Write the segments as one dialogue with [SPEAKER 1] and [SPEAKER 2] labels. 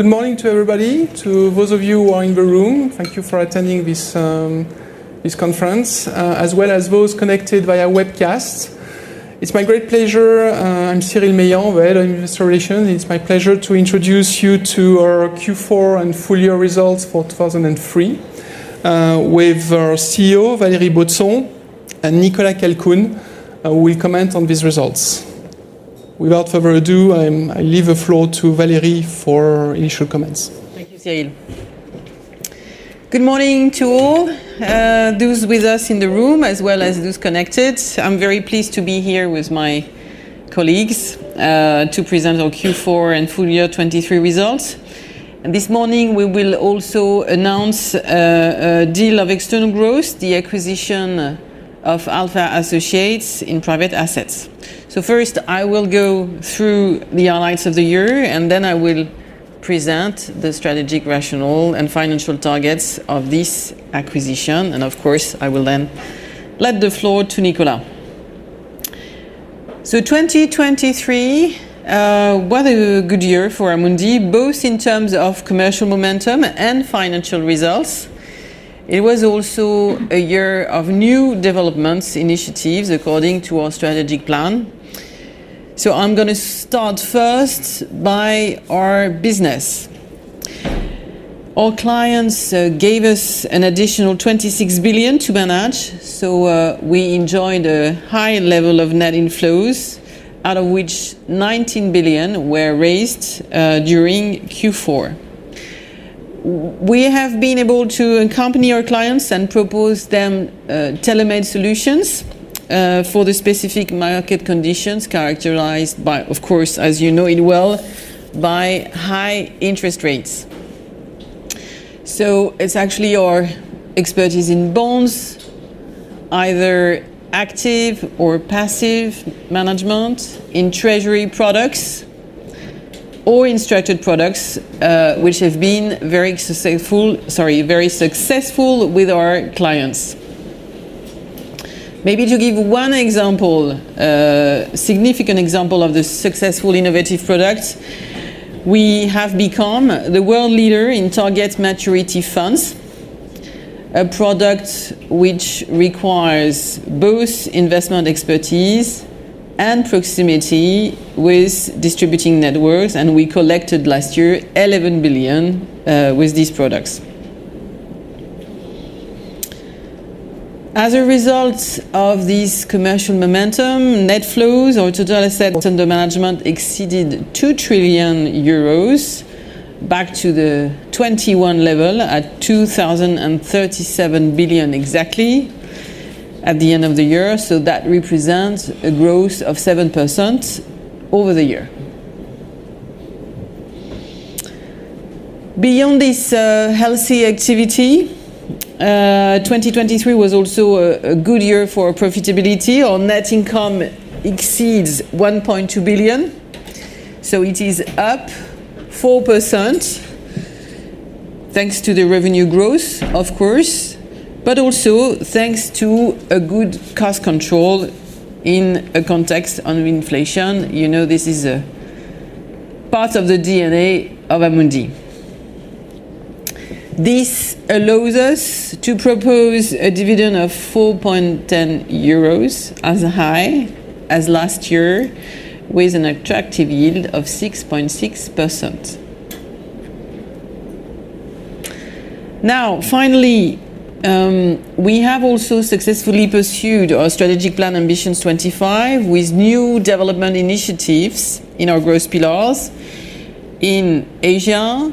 [SPEAKER 1] Good morning to everybody. To those of you who are in the room, thank you for attending this conference, as well as those connected via webcast. It's my great pleasure, I'm Cyril Meilland, Head of Investor Relations. It's my pleasure to introduce you to our Q4 and full year results for 2003. With our CEO, Valérie Baudson, and Nicolas Calcoen will comment on these results. Without further ado, I leave the floor to Valérie for initial comments.
[SPEAKER 2] Thank you, Cyril. Good morning to all, those with us in the room, as well as those connected. I'm very pleased to be here with my colleagues, to present our Q4 and full year 2023 results. And this morning, we will also announce a deal of external growth, the acquisition of Alpha Associates in private assets. So first, I will go through the highlights of the year, and then I will present the strategic rationale and financial targets of this acquisition, and of course, I will then hand the floor to Nicolas. So 2023 was a good year for Amundi, both in terms of commercial momentum and financial results. It was also a year of new developments, initiatives, according to our strategic plan. So I'm gonna start first by our business. Our clients gave us an additional 26 billion to manage, so we enjoyed a high level of net inflows, out of which 19 billion were raised during Q4. We have been able to accompany our clients and propose them tailor-made solutions for the specific market conditions characterized by, of course, as you know it well, by high interest rates. So it's actually our expertise in bonds, either active or passive management, in treasury products or in structured products, which have been very successful, sorry, very successful with our clients. Maybe to give one example, significant example of the successful innovative products, we have become the world leader in Target Maturity Funds, a product which requires both investment expertise and proximity with distributing networks, and we collected last year 11 billion with these products. As a result of this commercial momentum, net flows or total assets under management exceeded 2 trillion euros, back to the 2021 level at 2,037 billion exactly, at the end of the year. So that represents a growth of 7% over the year. Beyond this, healthy activity, 2023 was also a good year for profitability. Our net income exceeds 1.2 billion, so it is up 4%, thanks to the revenue growth, of course, but also thanks to a good cost control in a context of inflation. You know, this is a part of the DNA of Amundi. This allows us to propose a dividend of 4.10 euros, as high as last year, with an attractive yield of 6.6%. Now, finally, we have also successfully pursued our strategic plan, Ambitions 25, with new development initiatives in our growth pillars in Asia,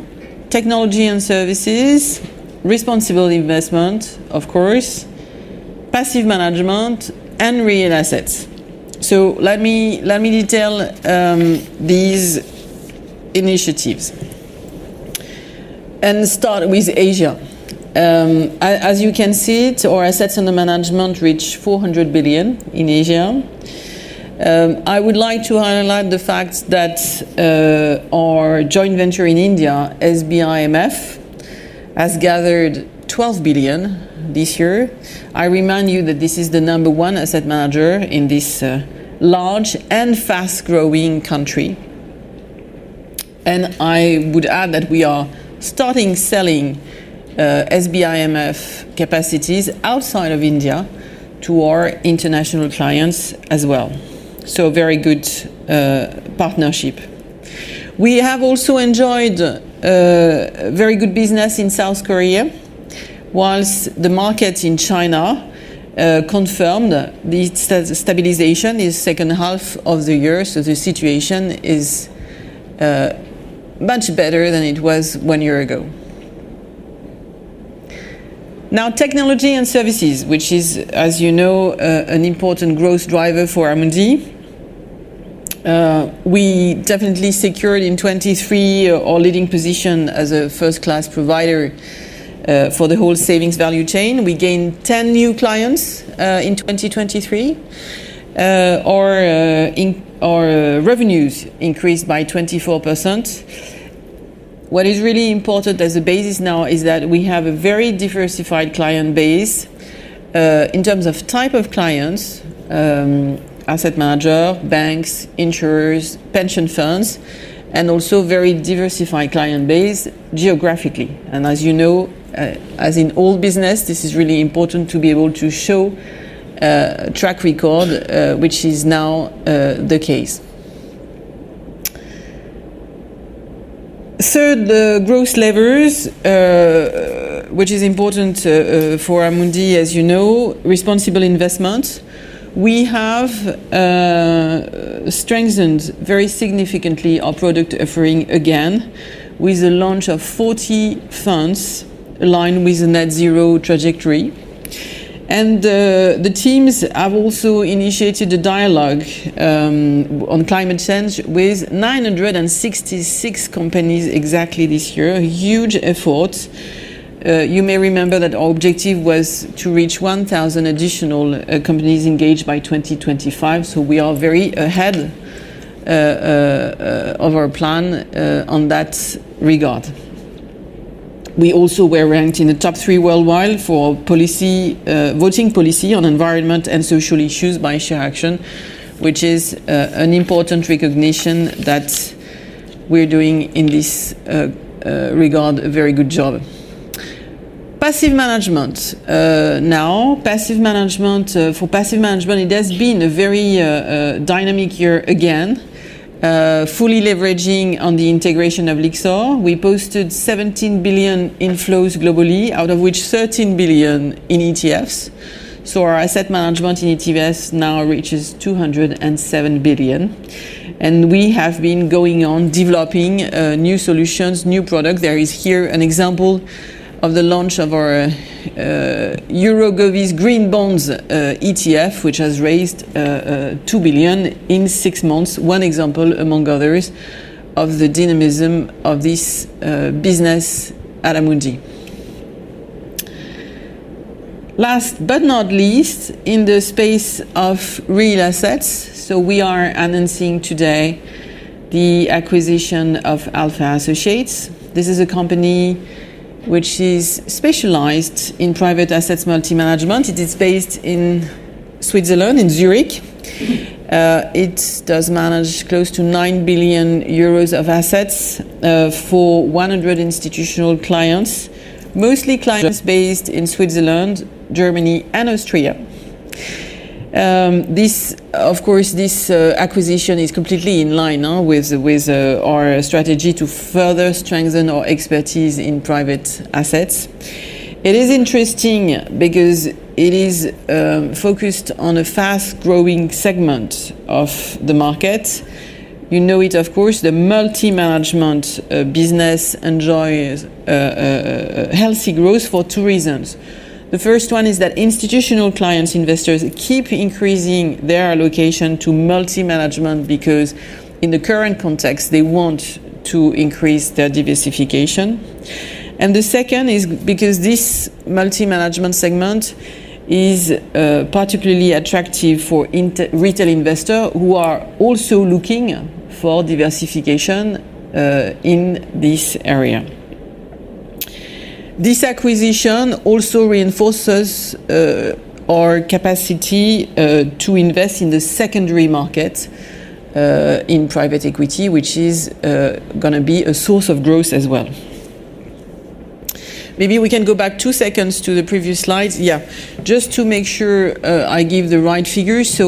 [SPEAKER 2] technology and services, responsible investment, of course, passive management, and real assets. So let me, let me detail these initiatives, and start with Asia. As, as you can see it, our assets under management reach 400 billion in Asia. I would like to highlight the fact that our joint venture in India, SBI MF, has gathered 12 billion this year. I remind you that this is the number one asset manager in this large and fast-growing country. And I would add that we are starting selling SBI MF capacities outside of India to our international clients as well, so very good partnership. We have also enjoyed very good business in South Korea, whilst the market in China confirmed its stabilization in second half of the year, so the situation is much better than it was one year ago. Now, technology and services, which is, as you know, an important growth driver for Amundi. We definitely secured in 2023 our leading position as a first-class provider for the whole savings value chain. We gained 10 new clients in 2023. Our revenues increased by 24%. What is really important as a basis now is that we have a very diversified client base in terms of type of clients, asset manager, banks, insurers, pension funds, and also very diversified client base geographically. As you know, as in all business, this is really important to be able to show a track record, which is now the case. Third, the growth levers, which is important, for Amundi, as you know, responsible investment. We have strengthened very significantly our product offering again, with the launch of 40 funds aligned with the Net Zero trajectory. And the teams have also initiated a dialogue, on climate change with 966 companies exactly this year. A huge effort. You may remember that our objective was to reach 1,000 additional companies engaged by 2025, so we are very ahead, of our plan, on that regard. We also were ranked in the top three worldwide for voting policy on environment and social issues by ShareAction, which is an important recognition that we're doing, in this regard, a very good job. Passive management. Now, for passive management, it has been a very dynamic year again, fully leveraging on the integration of Lyxor. We posted 17 billion inflows globally, out of which 13 billion in ETFs. So our asset management in ETFs now reaches 207 billion, and we have been going on developing new solutions, new products. There is here an example of the launch of our Euro Govies Green Bonds ETF, which has raised 2 billion in six months. One example, among others, of the dynamism of this business at Amundi. Last but not least, in the space of real assets, so we are announcing today the acquisition of Alpha Associates. This is a company which is specialized in private assets multi-management. It is based in Switzerland, in Zurich. It does manage close to 9 billion euros of assets for 100 institutional clients, mostly clients based in Switzerland, Germany and Austria. Of course, this acquisition is completely in line with our strategy to further strengthen our expertise in private assets. It is interesting because it is focused on a fast-growing segment of the market. You know it, of course, the multi-management business enjoys healthy growth for two reasons. The first one is that institutional clients, investors, keep increasing their allocation to multi-management because, in the current context, they want to increase their diversification. And the second is because this multi-management segment is particularly attractive for institutional retail investor, who are also looking for diversification in this area. This acquisition also reinforces our capacity to invest in the secondary market in private equity, which is gonna be a source of growth as well. Maybe we can go back two seconds to the previous slide. Yeah, just to make sure I give the right figures.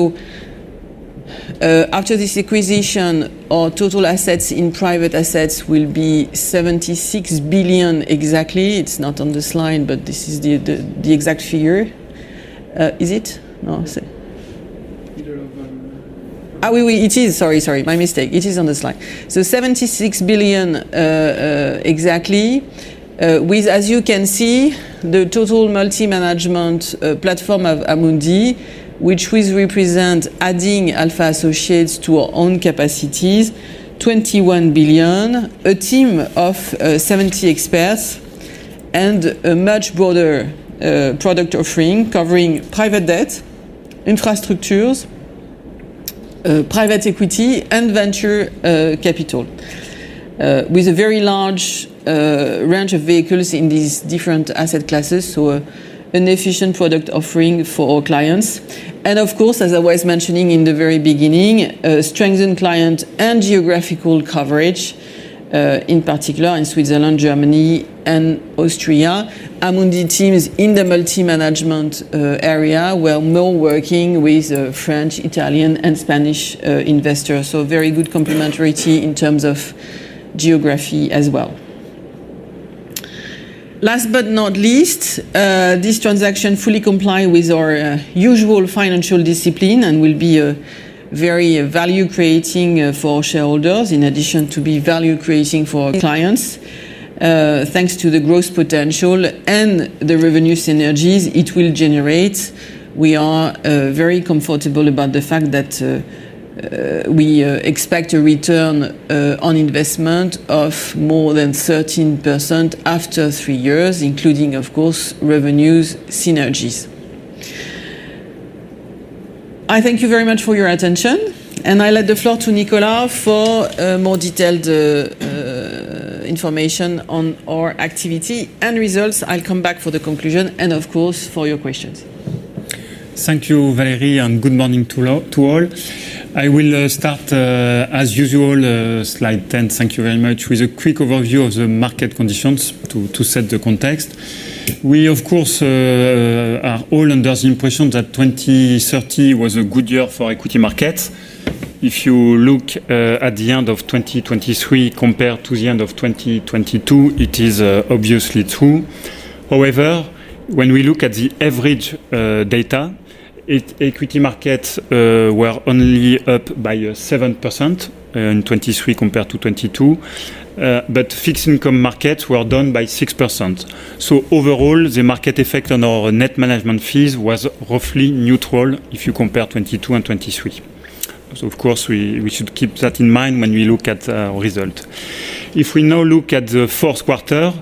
[SPEAKER 2] So, after this acquisition, our total assets in private assets will be 76 billion exactly. It's not on the slide, but this is the exact figure. Is it? No, it's...
[SPEAKER 1] Either of-
[SPEAKER 2] It is. Sorry, sorry, my mistake. It is on the slide. So 76 billion exactly, with, as you can see, the total multi-management platform of Amundi, which will represent, adding Alpha Associates to our own capacities, 21 billion, a team of 70 experts, and a much broader product offering, covering private debt, infrastructures, private equity, and venture capital. With a very large range of vehicles in these different asset classes, so an efficient product offering for our clients. And of course, as I was mentioning in the very beginning, strengthen client and geographical coverage, in particular in Switzerland, Germany, and Austria. Amundi teams in the multi-management area were now working with French, Italian and Spanish investors, so very good complementarity in terms of geography as well. Last but not least, this transaction fully comply with our, usual financial discipline and will be, very value-creating, for shareholders, in addition to be value-creating for our clients. Thanks to the growth potential and the revenue synergies it will generate, we are, very comfortable about the fact that, we, expect a return, on investment of more than 13% after three years, including, of course, revenues synergies.... I thank you very much for your attention, and I let the floor to Nicolas for more detailed information on our activity and results. I'll come back for the conclusion and, of course, for your questions.
[SPEAKER 3] Thank you, Valérie, and good morning to all, to all. I will start, as usual, slide 10, thank you very much, with a quick overview of the market conditions to set the context. We, of course, are all under the impression that 2023 was a good year for equity markets. If you look at the end of 2023 compared to the end of 2022, it is obviously true. However, when we look at the average data, equity markets were only up by 7% in 2023 compared to 2022. But fixed income markets were down by 6%. So overall, the market effect on our net management fees was roughly neutral if you compare 2022 and 2023. So of course, we should keep that in mind when we look at our result. If we now look at the fourth quarter,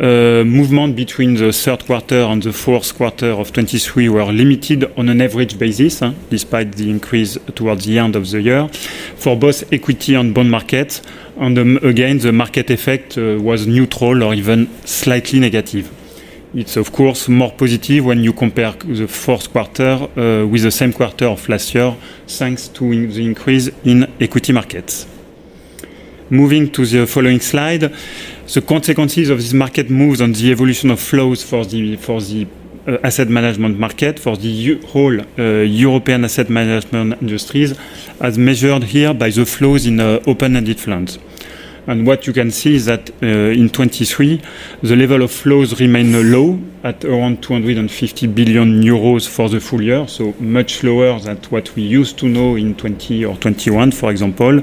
[SPEAKER 3] movement between the third quarter and the fourth quarter of 2023 were limited on an average basis, despite the increase towards the end of the year. For both equity and bond markets, again, the market effect was neutral or even slightly negative. It's of course more positive when you compare the fourth quarter with the same quarter of last year, thanks to the increase in equity markets. Moving to the following slide, the consequences of this market moves on the evolution of flows for the asset management market, for the whole European asset management industries, as measured here by the flows in open-ended funds. What you can see is that, in 2023, the level of flows remained low at around 250 billion euros for the full year, so much lower than what we used to know in 2020 or 2021, for example,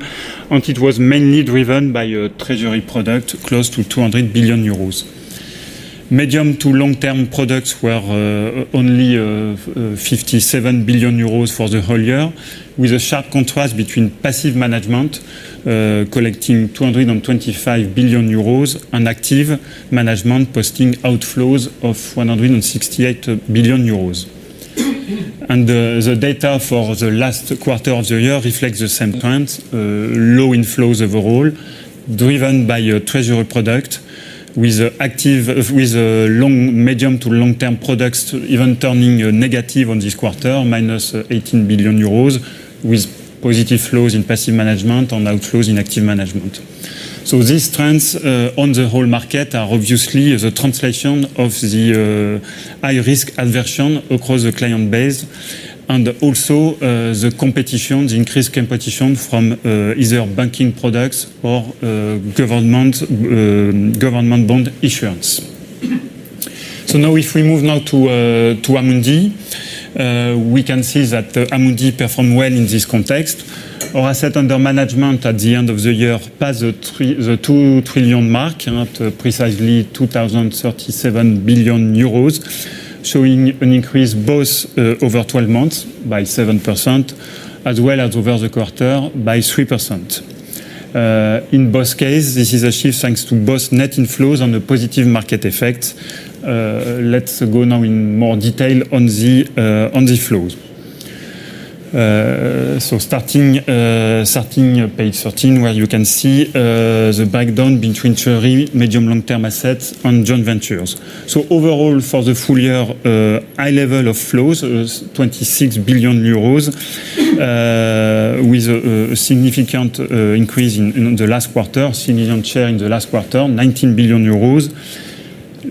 [SPEAKER 3] and it was mainly driven by a treasury product, close to 200 billion euros. Medium to long-term products were only 57 billion for the whole year, with a sharp contrast between passive management collecting 225 billion euros, and active management posting outflows of 168 billion euros. The data for the last quarter of the year reflects the same trends, low inflows overall, driven by a treasury product with active... with long, medium- to long-term products, even turning negative on this quarter, -18 billion euros, with positive flows in passive management on outflows in active management. So these trends on the whole market are obviously the translation of the high risk aversion across the client base and also the competition, the increased competition from either banking products or government bond issuance. So now if we move now to Amundi, we can see that Amundi performed well in this context. Our asset under management at the end of the year passed the two trillion mark, and at precisely 2,037 billion euros, showing an increase both over 12 months by 7%, as well as over the quarter by 3%. In both cases, this is achieved thanks to both net inflows and a positive market effect. Let's go now in more detail on the flows. So starting on page 13, where you can see the breakdown between treasury, medium long-term assets and joint ventures. So overall, for the full year, high level of flows, 26 billion euros, with a significant increase in the last quarter, significant share in the last quarter, 19 billion euros.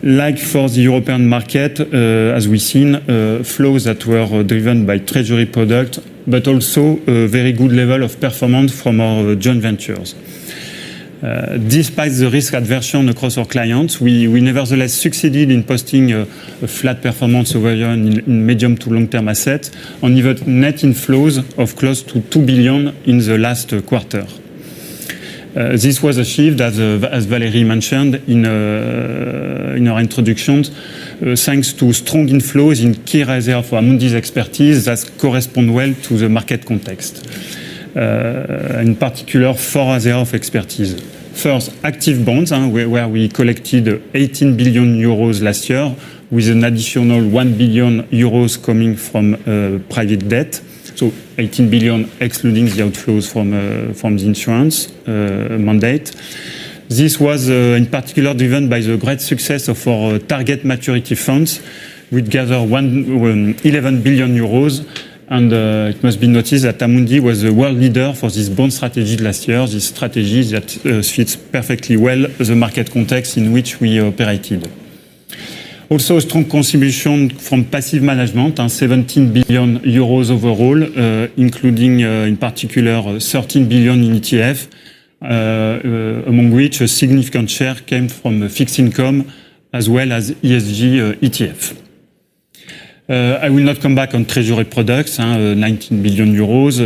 [SPEAKER 3] Like for the European market, as we've seen, flows that were driven by treasury product, but also a very good level of performance from our joint ventures. Despite the risk aversion across our clients, we nevertheless succeeded in posting a flat performance over in medium to long-term assets, and even net inflows of close to 2 billion in the last quarter. This was achieved, as Valérie mentioned, in our introductions, thanks to strong inflows in key areas of Amundi's expertise that correspond well to the market context. In particular, four areas of expertise. First, active bonds, where we collected 18 billion euros last year with an additional 1 billion euros coming from private debt. So 18 billion, excluding the outflows from the insurance mandate. This was, in particular, driven by the great success of our Target Maturity Funds, which gathered 11 billion euros, and, it must be noticed that Amundi was the world leader for this bond strategy last year. This strategy that fits perfectly well with the market context in which we operated. Also, a strong contribution from passive management, seventeen billion euros overall, including, in particular, thirteen billion in ETF, among which a significant share came from the fixed income as well as ESG, ETF. I will not come back on Treasury products, nineteen billion euros,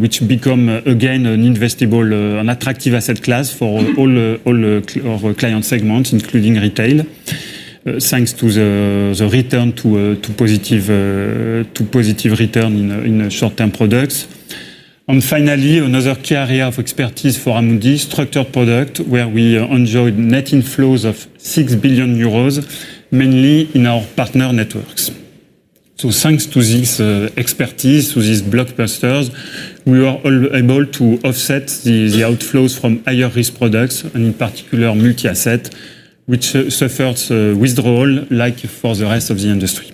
[SPEAKER 3] which become, again, an investable, an attractive asset class for all the, all the, client segments, including retail, thanks to the, the return to, to positive, to positive return in, in short-term products. Finally, another key area of expertise for Amundi, structured product, where we enjoyed net inflows of 6 billion euros, mainly in our partner networks. So thanks to this expertise, to these blockbusters, we were able to offset the outflows from higher-risk products, and in particular, multi-asset, which suffers withdrawal, like for the rest of the industry.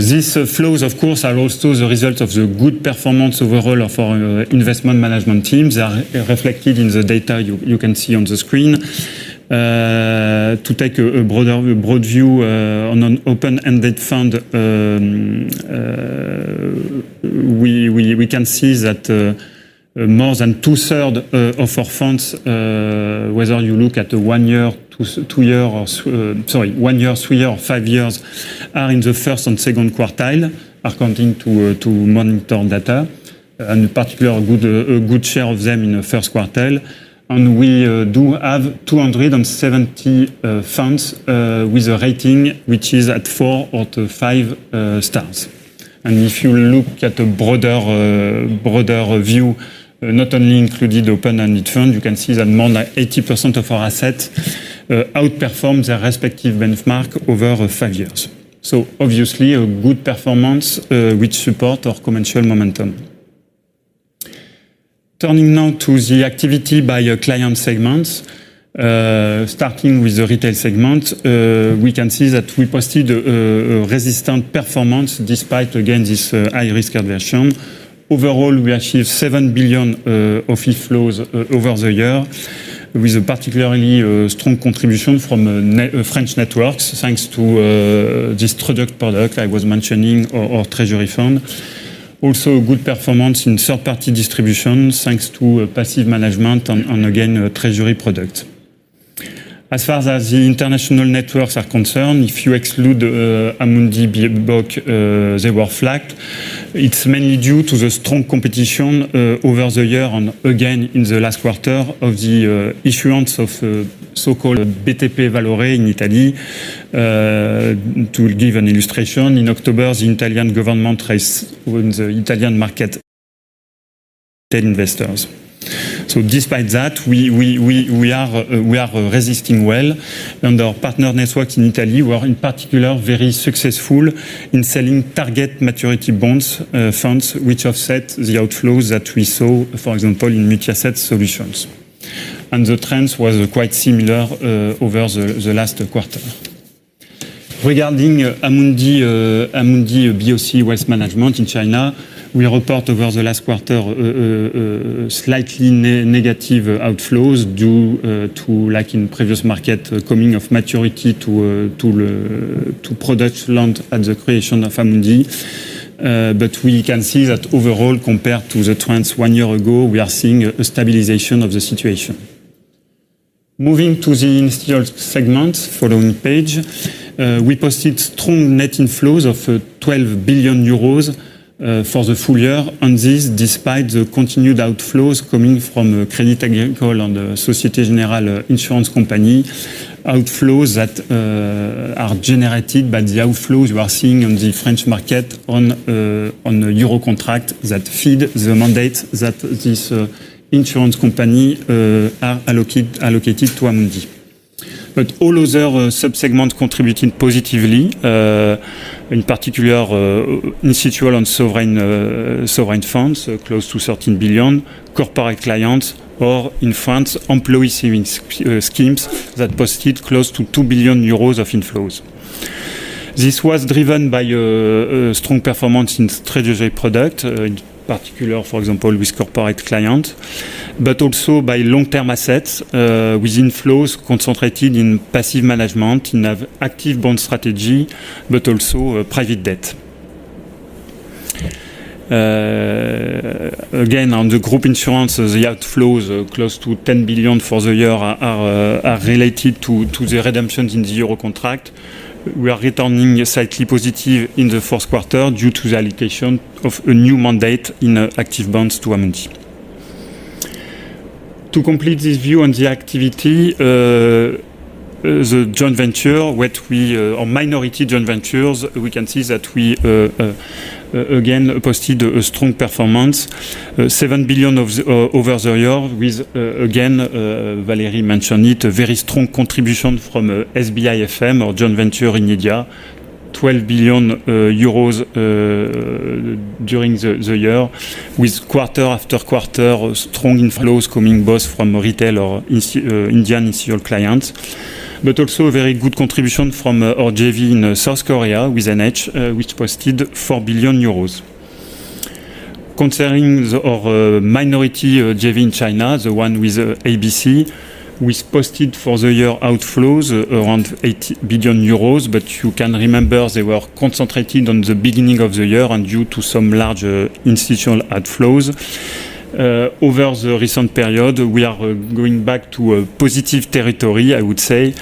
[SPEAKER 3] These flows, of course, are also the result of the good performance overall of our investment management teams, are reflected in the data you can see on the screen. To take a broader view on an open-ended fund, we can see that more than 2/3 of our funds, whether you look at the one year, three year, or five years, are in the first and second quartile, according to Morningstar data, and in particular, a good share of them in the first quartile. And we do have 270 funds with a rating, which is at 4 out of 5 stars. And if you look at a broader view, not only including open-ended fund, you can see that more than 80% of our assets outperforms their respective benchmark over five years. So obviously, a good performance, which support our commercial momentum. Turning now to the activity by our client segments. Starting with the retail segment, we can see that we posted a resistant performance despite, again, this high-risk aversion. Overall, we achieved 7 billion of inflows over the year, with a particularly strong contribution from French networks, thanks to this product I was mentioning, our treasury fund. Also, a good performance in third-party distribution, thanks to a passive management on again, a treasury product. As far as the international networks are concerned, if you exclude Amundi BOC, they were flat. It's mainly due to the strong competition over the year and again, in the last quarter of the issuance of so-called BTP Valore in Italy. To give an illustration, in October, the Italian government raised on the Italian market investors. So despite that, we are resisting well, and our partner networks in Italy were, in particular, very successful in selling Target Maturity Funds, which offset the outflows that we saw, for example, in multi-asset solutions. And the trends was quite similar over the last quarter. Regarding Amundi BOC Wealth Management in China, we report over the last quarter slightly negative outflows due to, like in previous market, coming of maturity to product launched at the creation of Amundi. But we can see that overall, compared to the trends one year ago, we are seeing a stabilization of the situation. Moving to the institutional segment, following page, we posted strong net inflows of 12 billion euros for the full year, and this despite the continued outflows coming from Crédit Agricole and Société Générale Insurance Company, outflows that are generated by the outflows you are seeing in the French market on the euro contract that feed the mandate that this insurance company are allocated to Amundi. But all other sub-segments contributed positively, in particular institutional and sovereign funds close to 13 billion, corporate clients or in France employee savings schemes that posted close to 2 billion euros of inflows. This was driven by a strong performance in Treasury products, in particular, for example, with corporate client, but also by long-term assets, with inflows concentrated in passive management, in active bond strategy, but also, private debt. Again, on the group insurance, the outflows close to 10 billion for the year are related to the redemptions in the euro contract. We are returning slightly positive in the fourth quarter due to the allocation of a new mandate in active bonds to Amundi. To complete this view on the activity, the joint venture or minority joint ventures, we can see that we again posted a strong performance, 7 billion over the year, with again Valérie mentioned it, a very strong contribution from SBI FM, our joint venture in India, 12 billion euros during the year, with quarter after quarter strong inflows coming both from retail or institutional, Indian institutional clients, but also very good contribution from our JV in South Korea with NH, which posted 4 billion euros. Concerning our minority JV in China, the one with ABC, which posted for the year outflows around 8 billion euros, but you can remember they were concentrated on the beginning of the year and due to some larger institutional outflows. Over the recent period, we are going back to a positive territory, I would say,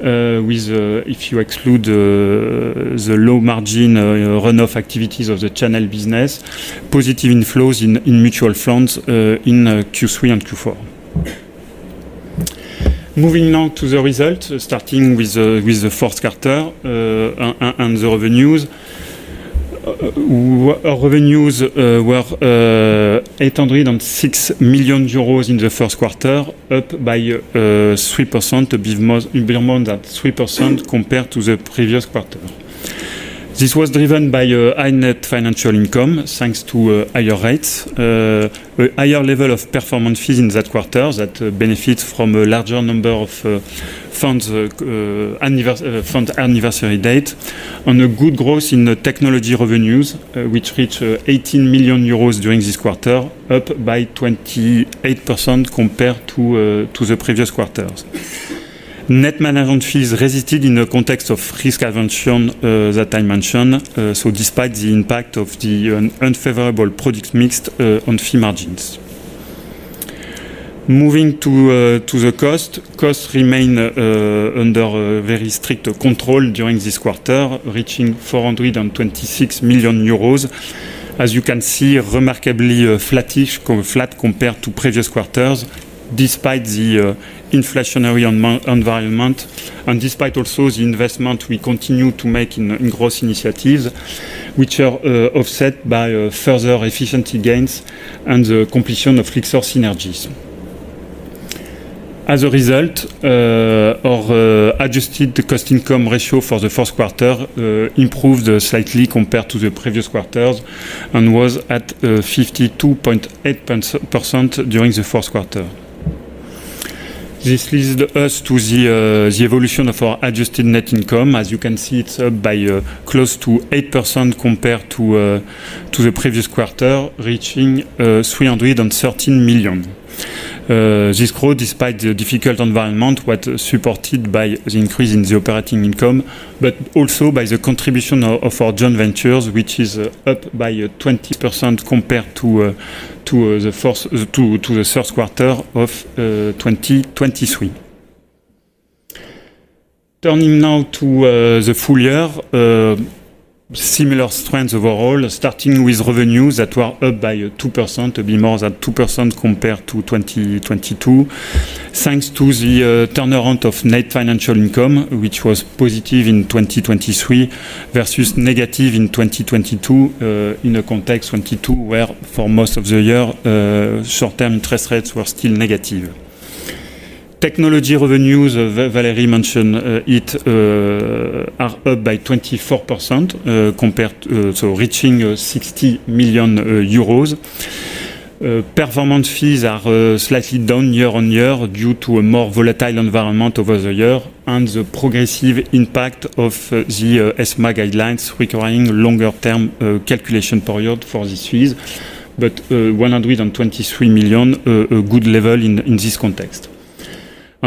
[SPEAKER 3] with if you exclude the low margin runoff activities of the channel business, positive inflows in mutual funds in Q3 and Q4. Moving now to the results, starting with the fourth quarter and the revenues. Our revenues were EUR 806 million in the first quarter, up by 3%, a bit more, a bit more than 3% compared to the previous quarter. This was driven by a high net financial income, thanks to higher rates, a higher level of performance fees in that quarter that benefit from a larger number of funds anniversary date, and a good growth in the technology revenues, which reached 18 million euros during this quarter, up by 28% compared to the previous quarters. Net management fees resisted in the context of risk aversion that I mentioned, so despite the impact of the unfavorable product mix on fee margins. Moving to the cost. Costs remain under very strict control during this quarter, reaching 426 million euros. As you can see, remarkably, flattish, flat compared to previous quarters, despite the inflationary environment, and despite also the investment we continue to make in growth initiatives, which are offset by further efficiency gains and the completion of Lyxor synergies. As a result, our adjusted cost-income ratio for the fourth quarter improved slightly compared to the previous quarters and was at 52.8% during the fourth quarter. This leads us to the evolution of our adjusted net income. As you can see, it's up by close to 8% compared to the previous quarter, reaching 313 million. This growth, despite the difficult environment, was supported by the increase in the operating income, but also by the contribution of our joint ventures, which is up by 20% compared to the first quarter of 2023. Turning now to the full year. Similar strengths overall, starting with revenues that were up by 2%, a bit more than 2% compared to 2022, thanks to the turnaround of net financial income, which was positive in 2023 versus negative in 2022, in a context, 2022, where for most of the year, short-term interest rates were still negative. Technology revenues, Valérie mentioned, it, are up by 24% compared to reaching 60 million euros. Performance fees are slightly down year-on-year due to a more volatile environment over the year, and the progressive impact of the ESMA guidelines requiring longer-term calculation period for these fees. 123 million, a good level in this context.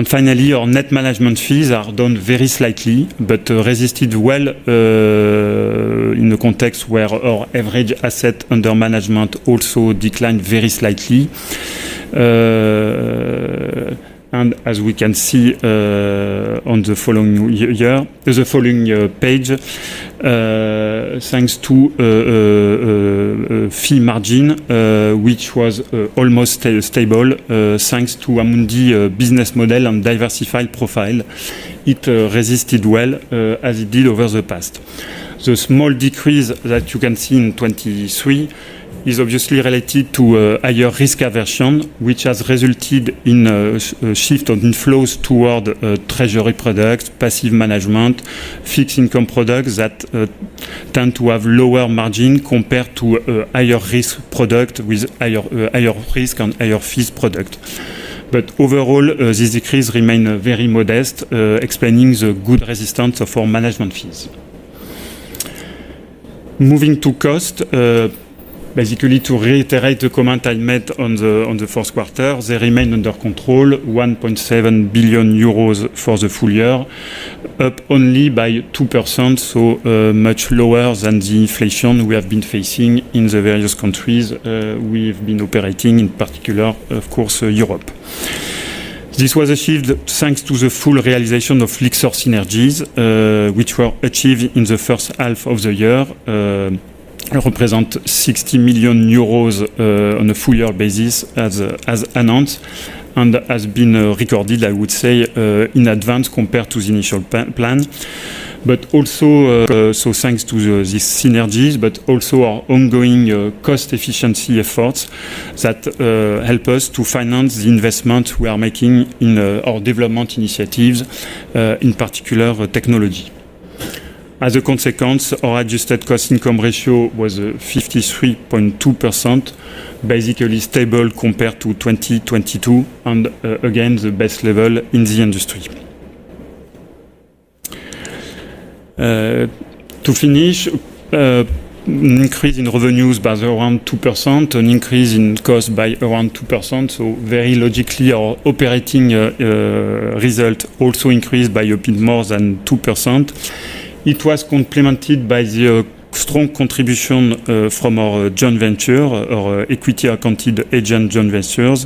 [SPEAKER 3] Finally, our net management fees are down very slightly, but resisted well in a context where our average asset under management also declined very slightly. As we can see on the following page, thanks to fee margin, which was almost stable, thanks to Amundi business model and diversified profile, it resisted well, as it did over the past. The small decrease that you can see in 2023 is obviously related to higher risk aversion, which has resulted in a shift on inflows toward treasury products, passive management, fixed income products that tend to have lower margin compared to higher risk product with higher risk and higher fees product. But overall, this decrease remain very modest, explaining the good resistance of our management fees. Moving to cost, basically, to reiterate the comment I made on the fourth quarter, they remain under control, 1.7 billion euros for the full year, up only by 2%, so much lower than the inflation we have been facing in the various countries we've been operating, in particular, of course, Europe. This was achieved thanks to the full realization of Lyxor synergies, which were achieved in the first half of the year, represent 60 million euros on a full year basis, as announced, and has been recorded, I would say, in advance compared to the initial plan. But also, so thanks to the, this synergies, but also our ongoing cost efficiency efforts that help us to finance the investment we are making in our development initiatives, in particular, technology. As a consequence, our adjusted cost-income ratio was 53.2%, basically stable compared to 2022, and again, the best level in the industry. To finish, an increase in revenues by around 2%, an increase in cost by around 2%. So very logically, our operating result also increased by a bit more than 2%. It was complemented by the strong contribution from our joint venture, our equity-accounted agent joint ventures,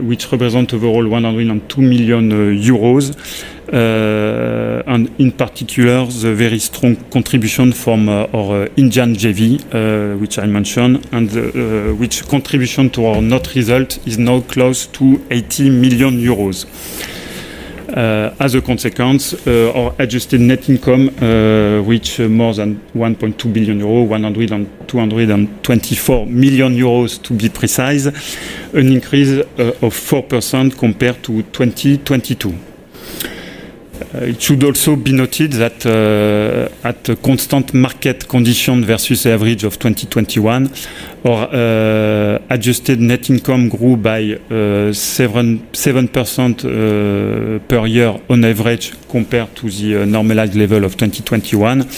[SPEAKER 3] which represent overall 102 million euros. And in particular, the very strong contribution from our Indian JV, which I mentioned, and which contribution to our net result is now close to 80 million euros. As a consequence, our adjusted net income reached more than 1.2 billion euros, 1,224 million euros, to be precise, an increase of 4% compared to 2022. It should also be noted that, at the constant market condition versus average of 2021, our adjusted net income grew by 7% per year on average, compared to the normalized level of 2021.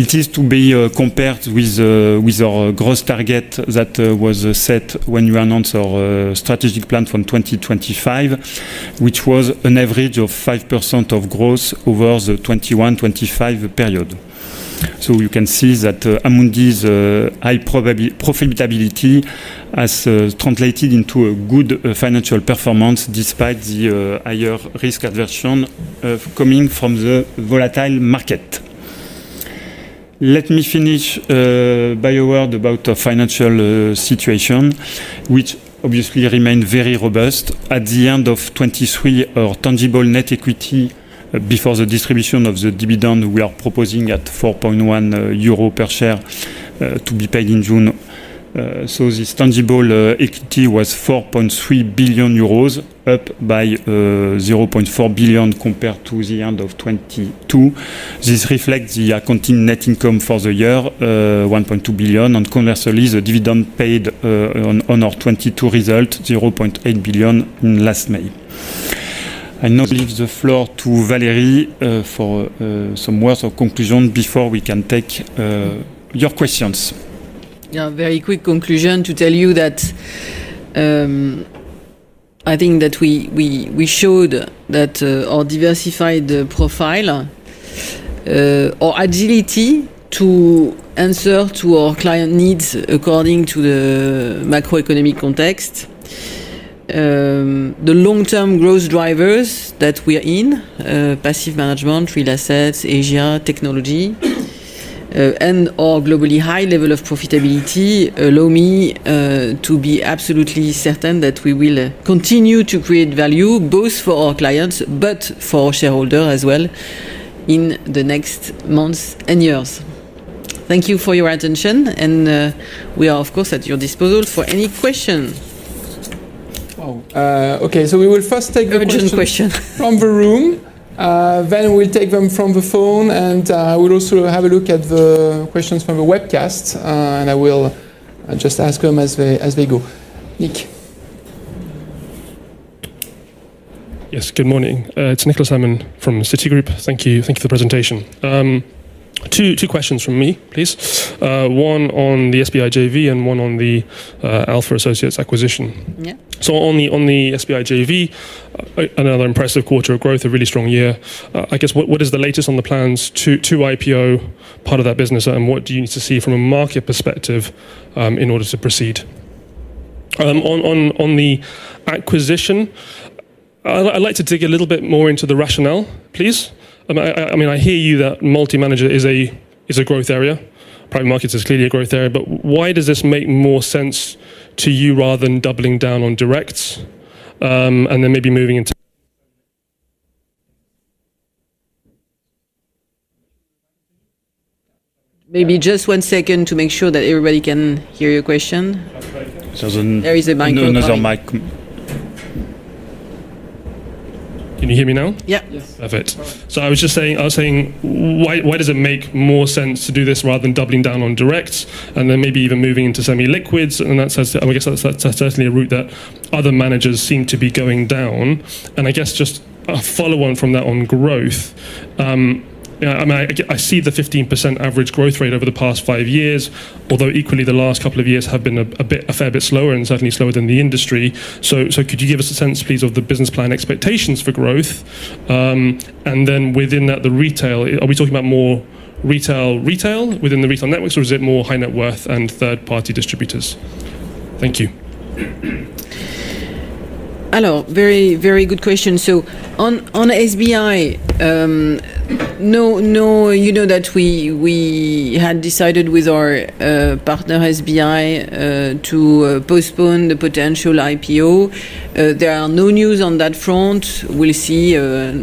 [SPEAKER 3] It is to be compared with our gross target that was set when we announced our strategic plan from 2025, which was an average of 5% of growth over the 2021-2025 period. So you can see that Amundi's high profitability has translated into a good financial performance despite the higher risk aversion coming from the volatile market. Let me finish by a word about our financial situation, which obviously remained very robust. At the end of 2023, our tangible net equity before the distribution of the dividend, we are proposing at 4.1 euro per share, to be paid in June. So this tangible equity was 4.3 billion euros, up by 0.4 billion compared to the end of 2022. This reflects the continued net income for the year, 1.2 billion, and conversely, the dividend paid on our 2022 result, 0.8 billion in last May. I now leave the floor to Valérie for some words of conclusion before we can take your questions.
[SPEAKER 2] Yeah, very quick conclusion to tell you that, I think that we showed that our diversified profile, our agility to answer to our client needs according to the macroeconomic context. The long-term growth drivers that we are in, passive management, real assets, Asia, technology, and our globally high level of profitability allow me to be absolutely certain that we will continue to create value both for our clients but for shareholders as well, in the next months and years. Thank you for your attention, and we are, of course, at your disposal for any question.
[SPEAKER 1] Wow, okay. So we will first take the question-
[SPEAKER 2] Original question.
[SPEAKER 1] From the room. Then we'll take them from the phone, and we'll also have a look at the questions from the webcast. And I will just ask them as they, as they go. Nick?
[SPEAKER 4] Yes. Good morning. It's Nicholas Simon from Citigroup. Thank you. Thank you for the presentation. Two, two questions from me, please. One on the SBI JV and one on the Alpha Associates acquisition.
[SPEAKER 2] Yeah.
[SPEAKER 4] So on the SBI JV, another impressive quarter of growth, a really strong year. I guess, what is the latest on the plans to IPO part of that business, and what do you need to see from a market perspective in order to proceed? On the acquisition, I'd like to dig a little bit more into the rationale, please. I mean, I hear you that multi-manager is a growth area. Private markets is clearly a growth area, but why does this make more sense to you, rather than doubling down on direct? And then maybe moving into...
[SPEAKER 2] Maybe just one second to make sure that everybody can hear your question.
[SPEAKER 1] There's an-
[SPEAKER 2] There is a microphone.
[SPEAKER 1] There is a mic.
[SPEAKER 4] Can you hear me now?
[SPEAKER 2] Yeah.
[SPEAKER 1] Yes.
[SPEAKER 4] Perfect. So I was just saying, I was saying, why, why does it make more sense to do this rather than doubling down on direct and then maybe even moving into semi-liquids? And that's, I guess, that's, that's certainly a route that other managers seem to be going down. And I guess just a follow on from that on growth, I mean, I see the 15% average growth rate over the past five years, although equally, the last couple of years have been a bit, a fair bit slower and certainly slower than the industry. So could you give us a sense, please, of the business plan expectations for growth? And then within that, the retail, are we talking about more retail, retail within the retail networks, or is it more high net worth and third-party distributors? Thank you.
[SPEAKER 2] Hello. Very, very good question. So on, on SBI, no, no, you know that we, we had decided with our, partner, SBI, to, postpone the potential IPO. There are no news on that front. We'll see,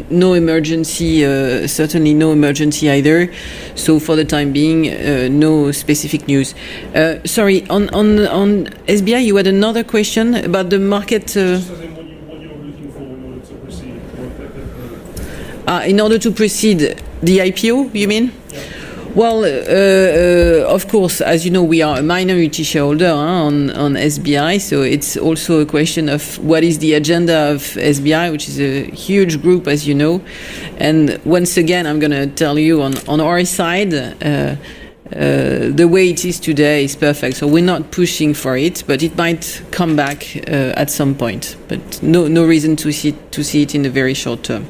[SPEAKER 2] no emergency, certainly no emergency either. So for the time being, no specific news. Sorry, on, on, on SBI, you had another question about the market, [inaudible]
[SPEAKER 4] [inaudible] Just saying what you, what you're looking for in order to proceed with that,
[SPEAKER 2] In order to proceed the IPO, you mean?
[SPEAKER 4] Yeah.
[SPEAKER 2] Well, of course, as you know, we are a minority shareholder on SBI, so it's also a question of what is the agenda of SBI, which is a huge group, as you know. And once again, I'm gonna tell you on our side, the way it is today is perfect. So we're not pushing for it, but it might come back at some point. But no reason to see it in the very short term.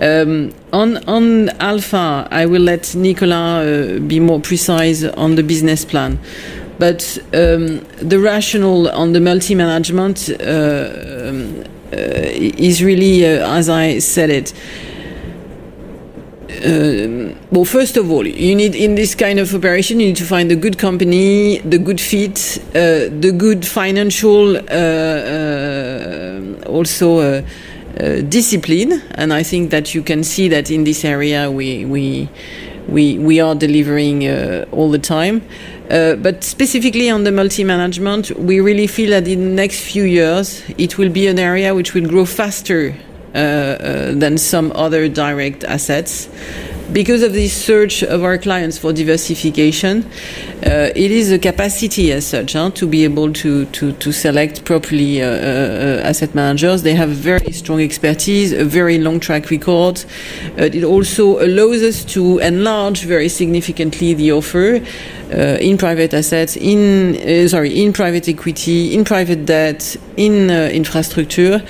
[SPEAKER 2] On Alpha, I will let Nicolas be more precise on the business plan. But the rationale on the multi-management is really, as I said it, well, first of all, you need, in this kind of operation, you need to find a good company, the good fit, the good financial, also, discipline. I think that you can see that in this area, we are delivering all the time. But specifically on the multi-management, we really feel that in the next few years, it will be an area which will grow faster than some other direct assets. Because of the search of our clients for diversification, it is a capacity as such to be able to select properly asset managers. They have very strong expertise, a very long track record. It also allows us to enlarge very significantly the offer in private assets. Sorry, in private equity, in private debt, in infrastructure.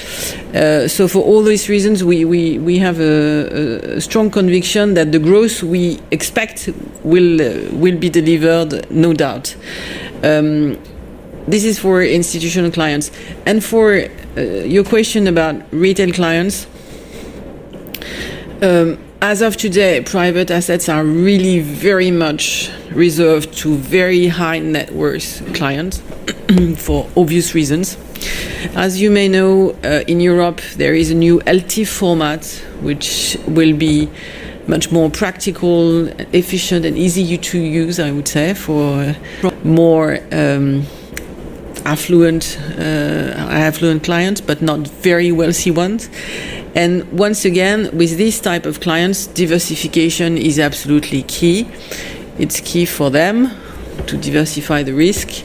[SPEAKER 2] So for all these reasons, we have a strong conviction that the growth we expect will be delivered, no doubt. This is for institutional clients. And for your question about retail clients, as of today, private assets are really very much reserved to very high net worth clients for obvious reasons. As you may know, in Europe, there is a new LT format, which will be much more practical, efficient, and easy to use, I would say, for more affluent clients, but not very wealthy ones. And once again, with these type of clients, diversification is absolutely key. It's key for them to diversify the risk.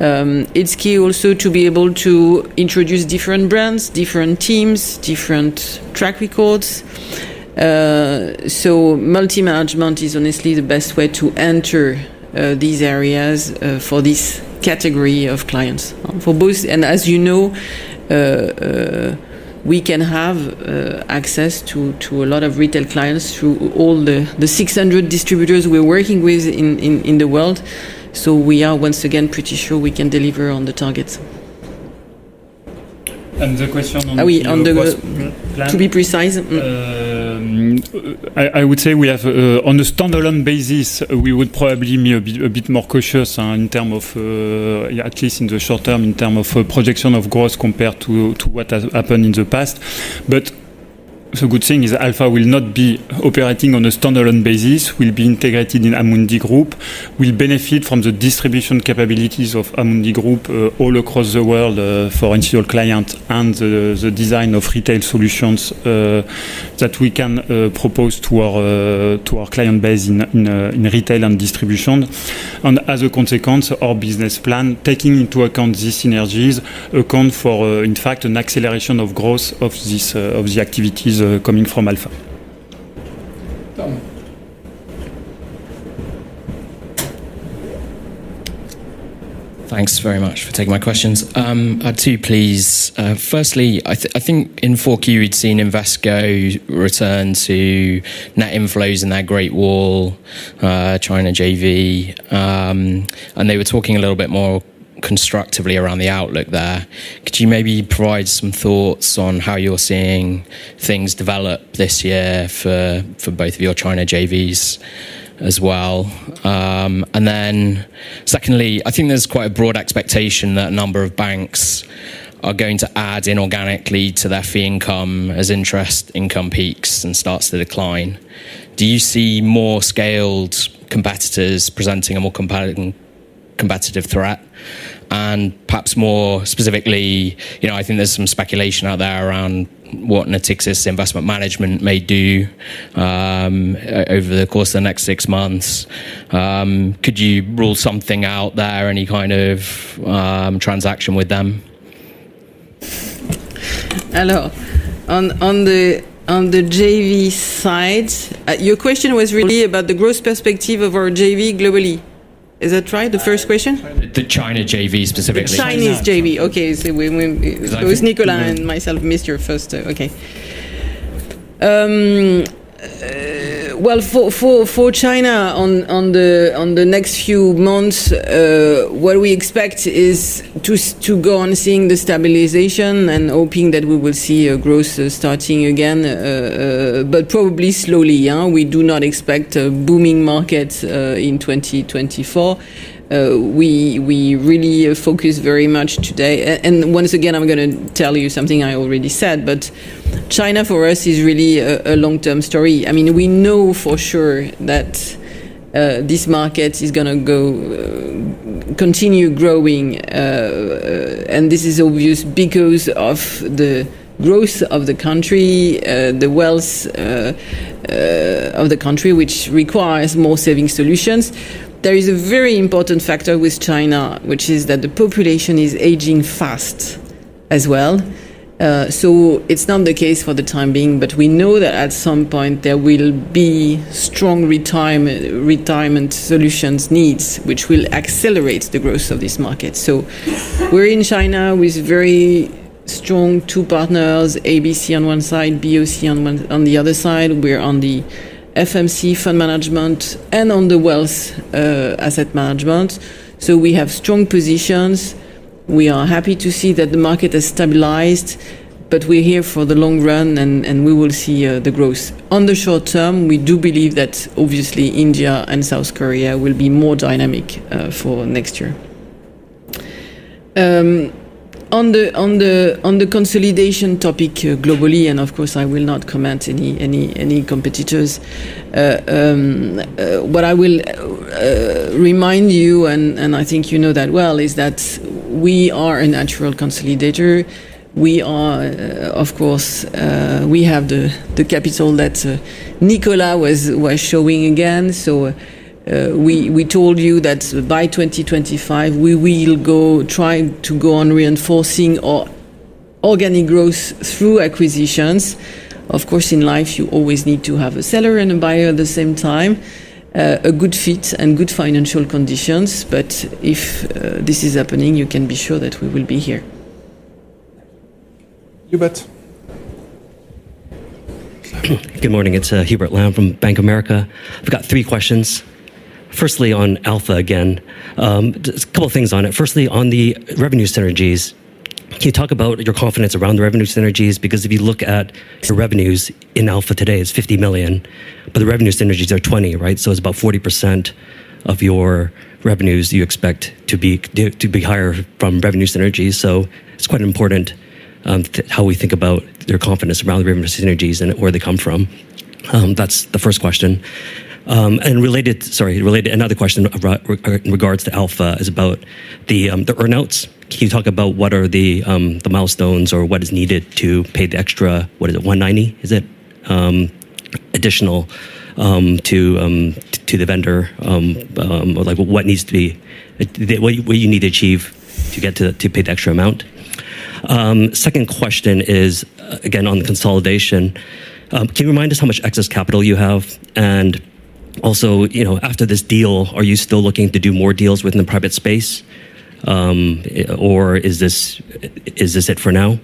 [SPEAKER 2] It's key also to be able to introduce different brands, different teams, different track records. So multi-management is honestly the best way to enter these areas for this category of clients, for both... As you know, we can have access to a lot of retail clients through all the 600 distributors we're working with in the world, so we are once again pretty sure we can deliver on the targets.
[SPEAKER 4] And the question on the-
[SPEAKER 2] We... On the-
[SPEAKER 3] growth plan.
[SPEAKER 2] To be precise, mm-hmm.
[SPEAKER 3] I would say we have, on a standalone basis, we would probably be a bit, a bit more cautious, in term of, at least in the short term, in term of projection of growth compared to, what has happened in the past. But the good thing is, Alpha will not be operating on a standalone basis, will be integrated in Amundi Group, will benefit from the distribution capabilities of Amundi Group, all across the world, for institutional client, and the, the design of retail solutions, that we can, propose to our, to our client base in, in, in retail and distribution. And as a consequence, our business plan, taking into account these synergies, account for, in fact, an acceleration of growth of this, of the activities, coming from Alpha.
[SPEAKER 1] Tom?
[SPEAKER 5] Thanks very much for taking my questions. I have two, please. Firstly, I think in Q4, we'd seen Invesco return to net inflows in that Great Wall China JV. And they were talking a little bit more constructively around the outlook there. Could you maybe provide some thoughts on how you're seeing things develop this year for both of your China JVs as well? And then secondly, I think there's quite a broad expectation that a number of banks are going to add inorganically to their fee income as interest income peaks and starts to decline. Do you see more scaled competitors presenting a more competitive threat? And perhaps more specifically, you know, I think there's some speculation out there around what Natixis Investment Managers may do over the course of the next six months. Could you rule something out there, any kind of transaction with them?
[SPEAKER 2] Hello. On the JV side, your question was really about the growth perspective of our JV globally. Is that right, the first question?
[SPEAKER 5] The China JV, specifically.
[SPEAKER 2] The Chinese JV. Okay. So we-
[SPEAKER 3] Because I-...
[SPEAKER 2] Both Nicolas and myself missed your first. Okay. Well, for China, on the next few months, what we expect is to go on seeing the stabilization and hoping that we will see a growth starting again, but probably slowly, yeah? We do not expect a booming market in 2024. We really focus very much today... And once again, I'm gonna tell you something I already said, but China, for us, is really a long-term story. I mean, we know for sure that this market is gonna go continue growing. And this is obvious because of the growth of the country, the wealth of the country, which requires more saving solutions. There is a very important factor with China, which is that the population is aging fast as well. So it's not the case for the time being, but we know that at some point there will be strong retirement solutions needs, which will accelerate the growth of this market. So we're in China with very strong two partners: ABC on one side, BOC on the other side. We're on the FMC Fund Management and on the wealth, asset management, so we have strong positions. We are happy to see that the market has stabilized, but we're here for the long run, and we will see the growth. On the short term, we do believe that obviously India and South Korea will be more dynamic for next year. On the consolidation topic globally, and of course, I will not comment any competitors. What I will remind you, and I think you know that well, is that we are a natural consolidator. We are, of course, we have the capital that Nicolas was showing again. So, we told you that by 2025, we will try to go on reinforcing our organic growth through acquisitions. Of course, in life, you always need to have a seller and a buyer at the same time, a good fit, and good financial conditions. But if this is happening, you can be sure that we will be here.
[SPEAKER 1] Hubert?
[SPEAKER 6] Good morning. It's Hubert Lam from Bank of America. I've got three questions. Firstly, on Alpha again, just a couple of things on it. Firstly, on the revenue synergies, can you talk about your confidence around the revenue synergies? Because if you look at the revenues in Alpha today, it's 50 million, but the revenue synergies are 20 million, right? So it's about 40% of your revenues you expect to be higher from revenue synergies. So it's quite important to how we think about your confidence around the revenue synergies and where they come from. That's the first question. And related... Sorry, related, another question regarding Alpha is about the earn-outs. Can you talk about what are the milestones or what is needed to pay the extra, what is it, 190, is it, additional to the vendor? Or like, what needs to be, what you need to achieve to get to pay the extra amount? Second question is, again, on the consolidation. Can you remind us how much excess capital you have? And also, you know, after this deal, are you still looking to do more deals within the private space, or is this it for now?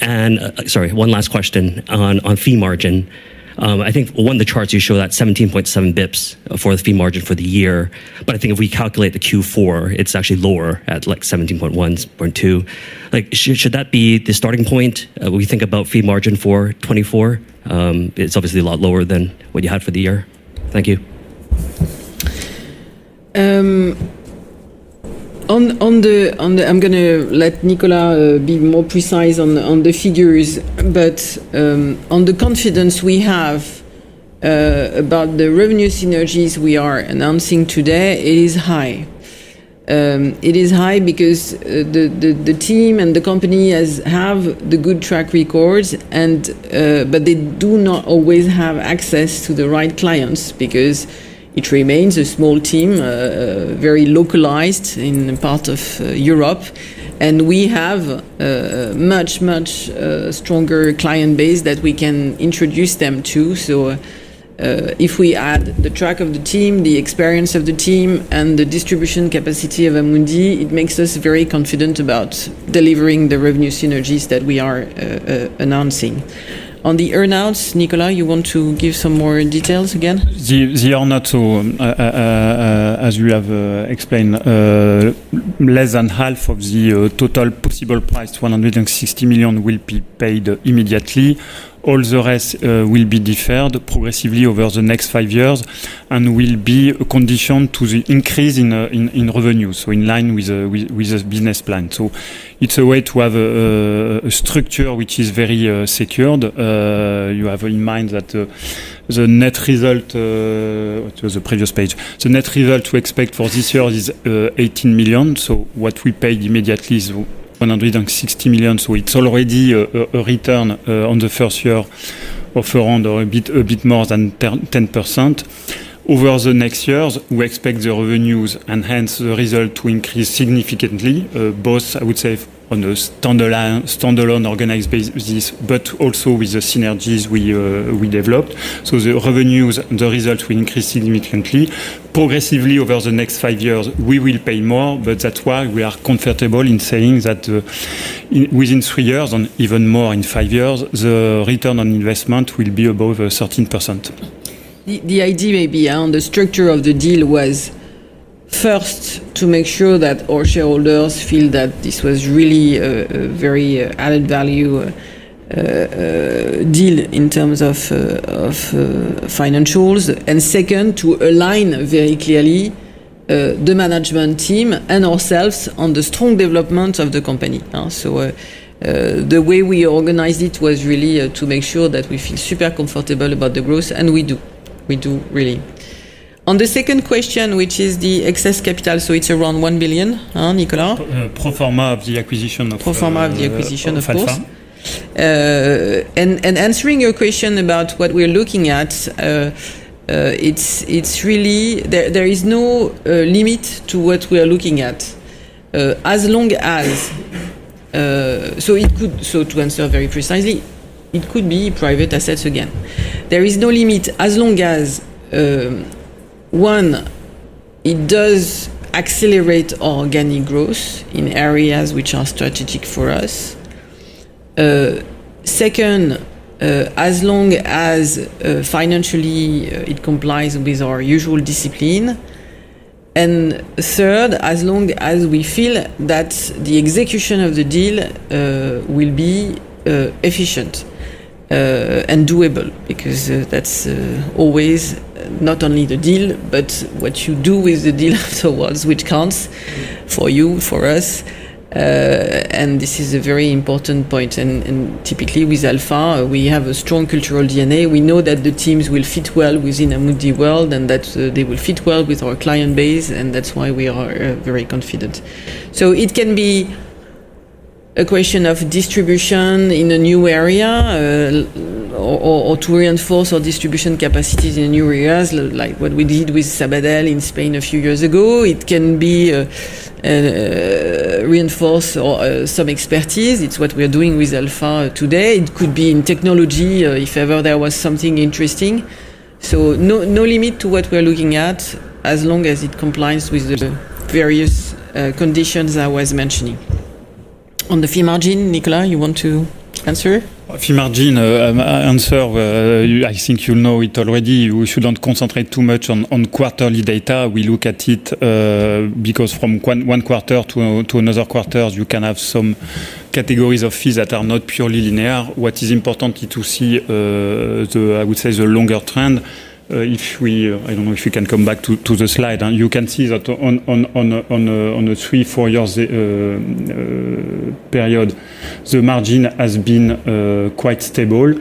[SPEAKER 6] And... Sorry, one last question on fee margin. I think one of the charts you show that 17.7 basis points for the fee margin for the year, but I think if we calculate the Q4, it's actually lower at, like, 17.12 basis points. Like, should that be the starting point, when we think about fee margin for 2024? It's obviously a lot lower than what you had for the year. Thank you.
[SPEAKER 2] On the-- I'm gonna let Nicolas be more precise on the figures, but on the confidence we have about the revenue synergies we are announcing today, it is high. It is high because the team and the company has have the good track record, and but they do not always have access to the right clients because it remains a small team, very localized in part of Europe. And we have a much, much stronger client base that we can introduce them to. So, if we add the track of the team, the experience of the team, and the distribution capacity of Amundi, it makes us very confident about delivering the revenue synergies that we are announcing. On the earn-outs, Nicolas, you want to give some more details again?
[SPEAKER 3] The earn-out, so, as we have explained, less than half of the total possible price, 160 million, will be paid immediately. All the rest will be deferred progressively over the next five years and will be conditioned to the increase in revenue. So in line with the business plan. So it's a way to have a structure which is very secured. You have in mind that the net result... It was the previous page. The net result we expect for this year is 18 million. So what we paid immediately is 160 million. So it's already a return on the first year of around or a bit more than 10%. Over the next years, we expect the revenues and hence the result to increase significantly, both, I would say, on a standalone organized basis, but also with the synergies we developed. So the revenues, the results will increase significantly. Progressively, over the next five years, we will pay more, but that's why we are comfortable in saying that, within three years and even more in five years, the return on investment will be above 13%.
[SPEAKER 2] The idea maybe on the structure of the deal was, first, to make sure that our shareholders feel that this was really a very added value deal in terms of financials, and second, to align very clearly the management team and ourselves on the strong development of the company. So, the way we organized it was really to make sure that we feel super comfortable about the growth, and we do. We do, really. On the second question, which is the excess capital, so it's around 1 billion, Nicolas?
[SPEAKER 3] Pro forma of the acquisition of-
[SPEAKER 2] Pro forma of the acquisition, of course....
[SPEAKER 3] Alpha.
[SPEAKER 2] Answering your question about what we're looking at, it's really there is no limit to what we are looking at, as long as, so it could. So to answer very precisely, it could be Private Assets again. There is no limit as long as one, it does accelerate organic growth in areas which are strategic for us. Second, as long as financially it complies with our usual discipline. And third, as long as we feel that the execution of the deal will be efficient and doable, because that's always not only the deal, but what you do with the deal towards which counts for you, for us. And this is a very important point, and typically with Alpha, we have a strong cultural DNA. We know that the teams will fit well within Amundi world, and that, they will fit well with our client base, and that's why we are, very confident. So it can be a question of distribution in a new area, or, or to reinforce our distribution capacities in new areas, like what we did with Sabadell in Spain a few years ago. It can be, reinforce or, some expertise. It's what we're doing with Alpha today. It could be in technology, if ever there was something interesting. So no, no limit to what we're looking at, as long as it complies with the various, conditions I was mentioning. On the fee margin, Nicolas, you want to answer?
[SPEAKER 3] Fee margin, I answer you... I think you know it already. We shouldn't concentrate too much on quarterly data. We look at it, because from one quarter to another quarters, you can have some categories of fees that are not purely linear. What is important to see, the, I would say, the longer trend, if we... I don't know if you can come back to the slide, and you can see that on a 3-4 years period, the margin has been quite stable,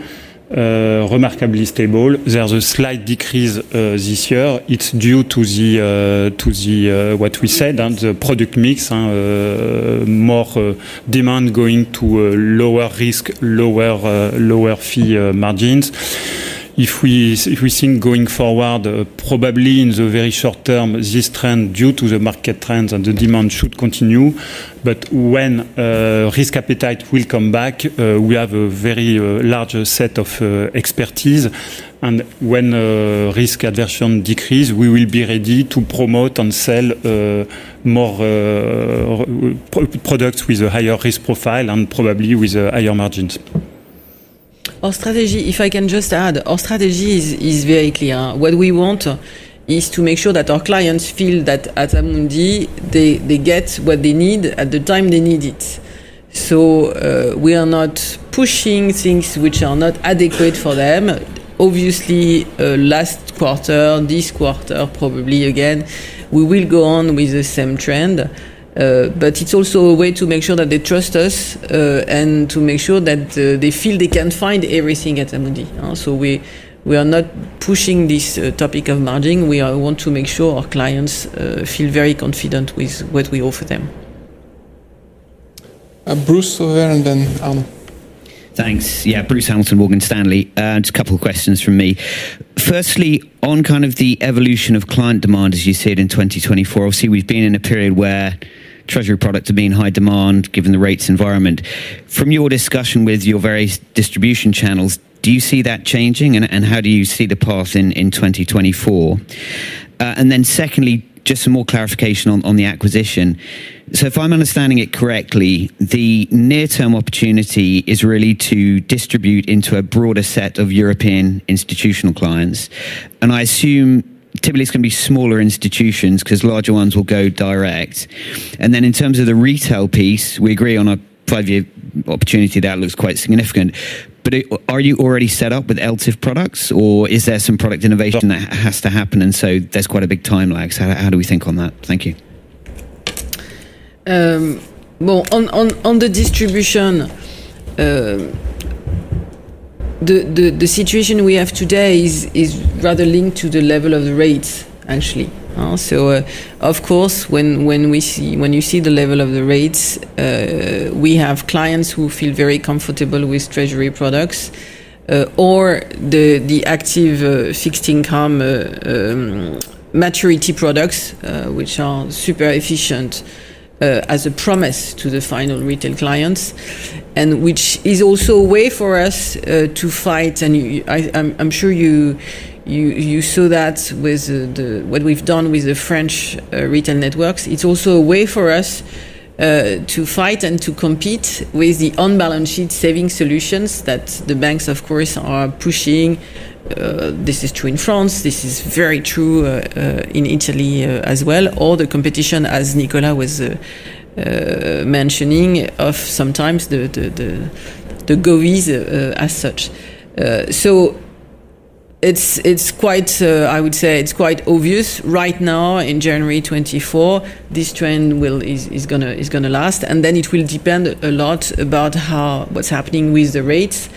[SPEAKER 3] remarkably stable. There's a slight decrease this year. It's due to the what we said, and the product mix, more demand going to lower risk, lower lower fee margins. If we think going forward, probably in the very short term, this trend, due to the market trends and the demand, should continue. But when risk appetite will come back, we have a very larger set of expertise, and when risk aversion decrease, we will be ready to promote and sell more products with a higher risk profile and probably with higher margins.
[SPEAKER 2] Our strategy, if I can just add, our strategy is very clear. What we want is to make sure that our clients feel that at Amundi, they get what they need at the time they need it. So, we are not pushing things which are not adequate for them. Obviously, last quarter, this quarter, probably again, we will go on with the same trend, but it's also a way to make sure that they trust us, and to make sure that they feel they can find everything at Amundi, so we are not pushing this topic of margin. We want to make sure our clients feel very confident with what we offer them.
[SPEAKER 1] Bruce over there, and then Alma.
[SPEAKER 7] Thanks. Yeah, Bruce Hamilton, Morgan Stanley. Just a couple of questions from me. Firstly, on kind of the evolution of client demand as you see it in 2024, obviously, we've been in a period where treasury products have been in high demand, given the rates environment. From your discussion with your various distribution channels, do you see that changing, and how do you see the path in 2024? And then secondly, just some more clarification on the acquisition. So if I'm understanding it correctly, the near-term opportunity is really to distribute into a broader set of European institutional clients, and I assume typically it's going to be smaller institutions, 'cause larger ones will go direct. And then in terms of the retail piece, we agree on a five-year opportunity that looks quite significant, but it... Are you already set up with ELTIF products, or is there some product innovation that?
[SPEAKER 2] Well-...
[SPEAKER 7] has to happen, and so there's quite a big time lag? So how, how do we think on that? Thank you.
[SPEAKER 2] Well, on the distribution, the situation we have today is rather linked to the level of the rates, actually, so of course, when you see the level of the rates, we have clients who feel very comfortable with Treasury products, or the active fixed income maturity products, which are super efficient, as a promise to the final retail clients, and which is also a way for us to fight, and I'm sure you saw that with what we've done with the French retail networks. It's also a way for us to fight and to compete with the on-balance sheet saving solutions that the banks, of course, are pushing. This is true in France. This is very true, in Italy, as well, or the competition, as Nicolas was mentioning, of sometimes the govies, as such. So it's quite, I would say, it's quite obvious right now, in January 2024, this trend will is gonna last, and then it will depend a lot about how, what's happening with the rates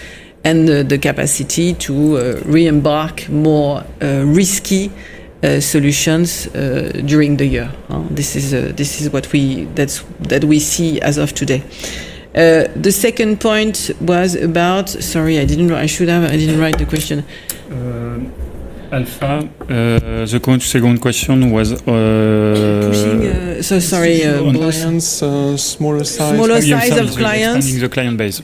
[SPEAKER 2] and the capacity to re-embark more risky solutions during the year. This is what we see as of today. The second point was about... Sorry, I didn't write. I should have. I didn't write the question.
[SPEAKER 3] Alpha, the second question was,
[SPEAKER 2] So sorry, Bruce.
[SPEAKER 1] Clients, smaller size.
[SPEAKER 2] Smaller size of clients?
[SPEAKER 3] Expanding the client base.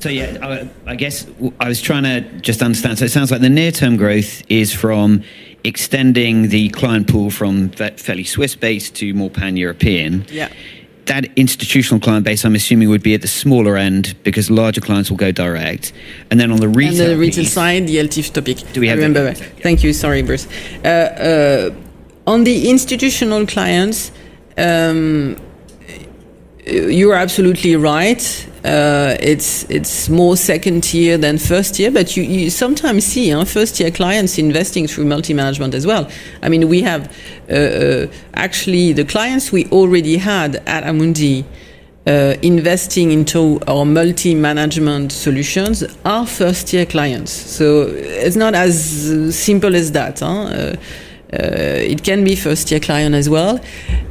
[SPEAKER 7] So yeah, I guess I was trying to just understand. So it sounds like the near-term growth is from extending the client pool from that fairly Swiss base to more Pan-European.
[SPEAKER 2] Yeah.
[SPEAKER 7] That institutional client base, I'm assuming, would be at the smaller end, because larger clients will go direct. Then on the retail piece-
[SPEAKER 2] On the retail side, the ELTIF topic.
[SPEAKER 7] Do we have-
[SPEAKER 2] I remember that. Thank you. Sorry, Bruce. On the institutional clients... You are absolutely right. It's more second-tier than first-tier, but you sometimes see our first-tier clients investing through multi-management as well. I mean, we have actually the clients we already had at Amundi investing into our multi-management solutions are first-tier clients. So it's not as simple as that, huh? It can be first-tier client as well,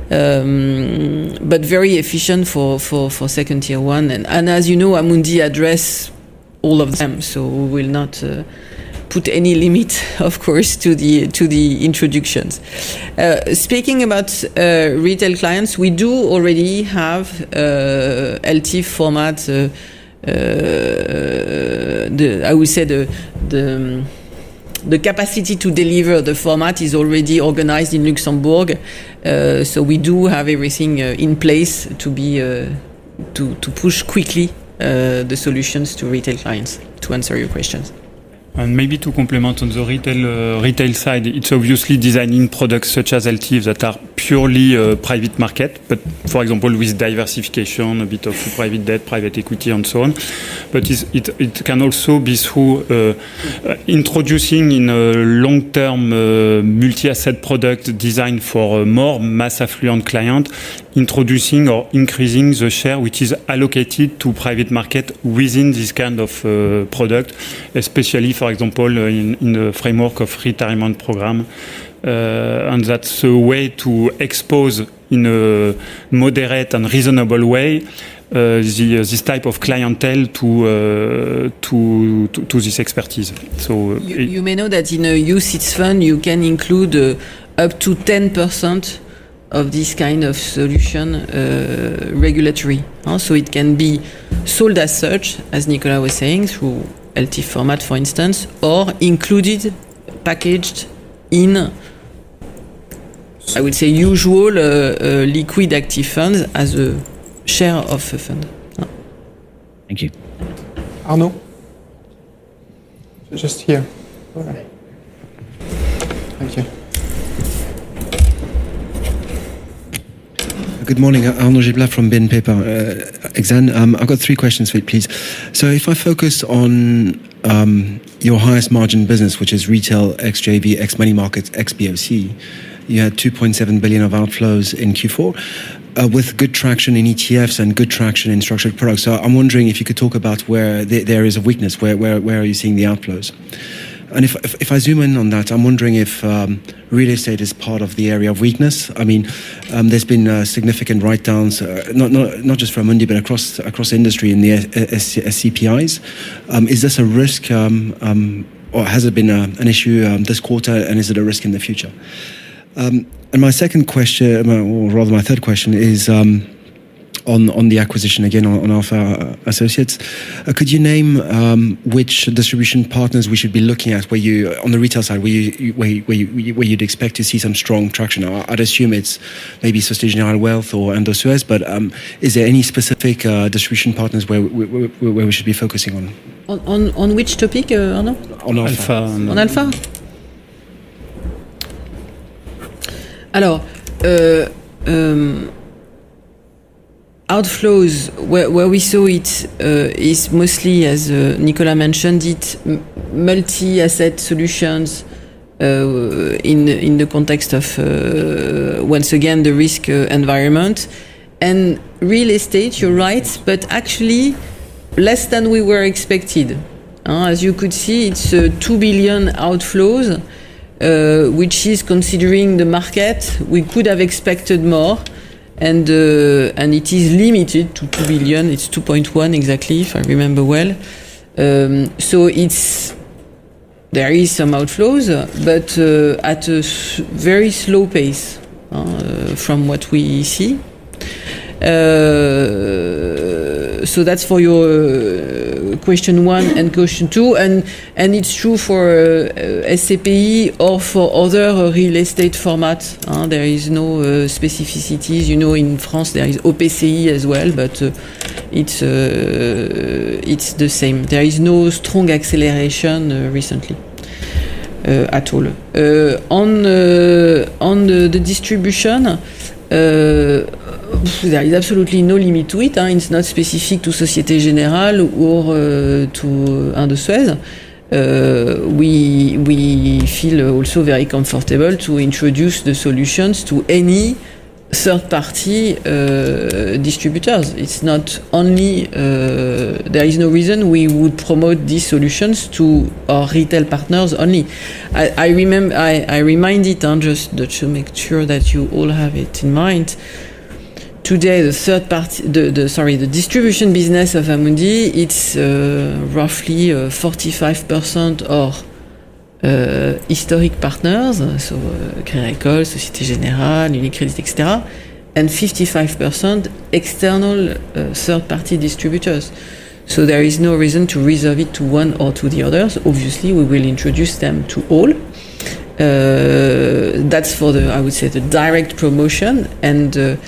[SPEAKER 2] but very efficient for second-tier one. And as you know, Amundi address all of them, so we will not put any limit, of course, to the introductions. Speaking about retail clients, we do already have ELTIF format... the, I would say, the capacity to deliver the format is already organized in Luxembourg. So we do have everything in place to push quickly the solutions to retail clients, to answer your questions.
[SPEAKER 3] And maybe to complement on the retail, retail side, it's obviously designing products such as LT that are purely, private market, but for example, with diversification, a bit of private debt, private equity, and so on. But it's it can also be through introducing in a long-term, multi-asset product designed for a more mass affluent client, introducing or increasing the share which is allocated to private market within this kind of product, especially, for example, in the framework of retirement program. And that's a way to expose in a moderate and reasonable way this type of clientele to this expertise. So-
[SPEAKER 2] You may know that in a UCITS fund, you can include up to 10% of this kind of solution, regulatory. Also, it can be sold as such, as Nicolas was saying, through LT format, for instance, or included, packaged in, I would say, usual liquid active funds as a share of the fund. Thank you.
[SPEAKER 1] Arnaud? Just here. All right. Thank you.
[SPEAKER 8] Good morning. Arnaud Giblat from BNP Paribas. Exane, I've got three questions for you, please. So if I focus on your highest margin business, which is retail ex-JV, ex-money markets, ex-BOC, you had 2.7 billion of outflows in Q4, with good traction in ETFs and good traction in structured products. So I'm wondering if you could talk about where there is a weakness. Where are you seeing the outflows? And if I zoom in on that, I'm wondering if real estate is part of the area of weakness. I mean, there's been significant writedowns, not just from Amundi, but across the industry in the SC, SCPIs. Is this a risk, or has it been an issue this quarter, and is it a risk in the future? And my second question, or rather my third question, is on the acquisition again, on Alpha Associates. Could you name which distribution partners we should be looking at, where you... on the retail side, where you'd expect to see some strong traction? I'd assume it's maybe Société Générale Wealth or Indosuez, but is there any specific distribution partners where we should be focusing on?
[SPEAKER 2] Which topic, Arnaud?
[SPEAKER 3] On Alpha.
[SPEAKER 2] On Alpha? Hello. Outflows, where we saw it, is mostly, as Nicolas mentioned it, multi-asset solutions, in the context of, once again, the risk environment. And real estate, you're right, but actually less than we were expected. As you could see, it's two billion outflows, which is considering the market, we could have expected more, and it is limited to 2 billion. It's 2.1 billion exactly, if I remember well. So it's... There is some outflows, but at a very slow pace, from what we see. So that's for your question one and question two. And it's true for SCPI or for other real estate formats, there is no specificities. You know, in France, there is OPCI as well, but it's the same. There is no strong acceleration recently at all. On the distribution, there is absolutely no limit to it. It's not specific to Société Générale or to Amundi's. We feel also very comfortable to introduce the solutions to any third-party distributors. It's not only. There is no reason we would promote these solutions to our retail partners only. I remind it just to make sure that you all have it in mind. Today, the third-party distribution business of Amundi, it's roughly 45% of historic partners, so Crédit Agricole, Société Générale, UniCredit, et cetera, and 55% external third-party distributors. There is no reason to reserve it to one or to the others. Obviously, we will introduce them to all. That's for the, I would say, the direct promotion, and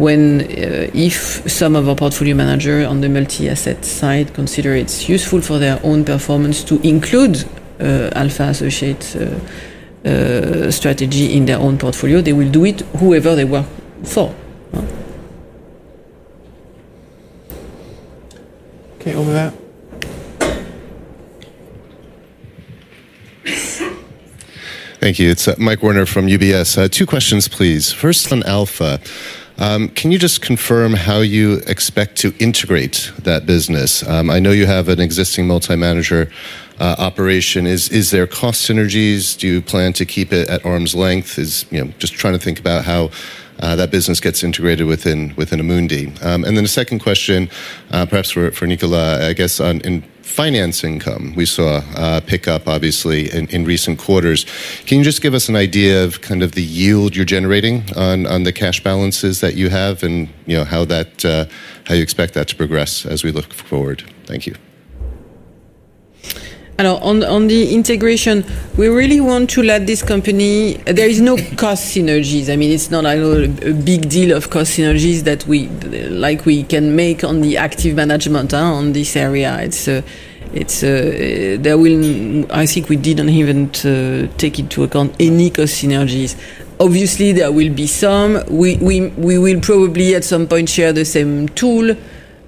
[SPEAKER 2] when if some of our portfolio manager on the multi-asset side consider it's useful for their own performance to include Alpha Associates' strategy in their own portfolio, they will do it whoever they work for....
[SPEAKER 1] Okay, over there.
[SPEAKER 9] Thank you. It's Mike Werner from UBS. Two questions, please. First, on Alpha, can you just confirm how you expect to integrate that business? I know you have an existing multi-manager operation. Is there cost synergies? Do you plan to keep it at arm's length? You know, just trying to think about how that business gets integrated within Amundi. And then the second question, perhaps for Nicolas, I guess on finance income, we saw a pickup obviously in recent quarters. Can you just give us an idea of kind of the yield you're generating on the cash balances that you have and, you know, how you expect that to progress as we look forward? Thank you.
[SPEAKER 2] On the integration, we really want to let this company... There is no cost synergies. I mean, it's not a big deal of cost synergies that we, like we can make on the active management, on this area. It's I think we didn't even to take into account any cost synergies. Obviously, there will be some. We will probably at some point share the same tool,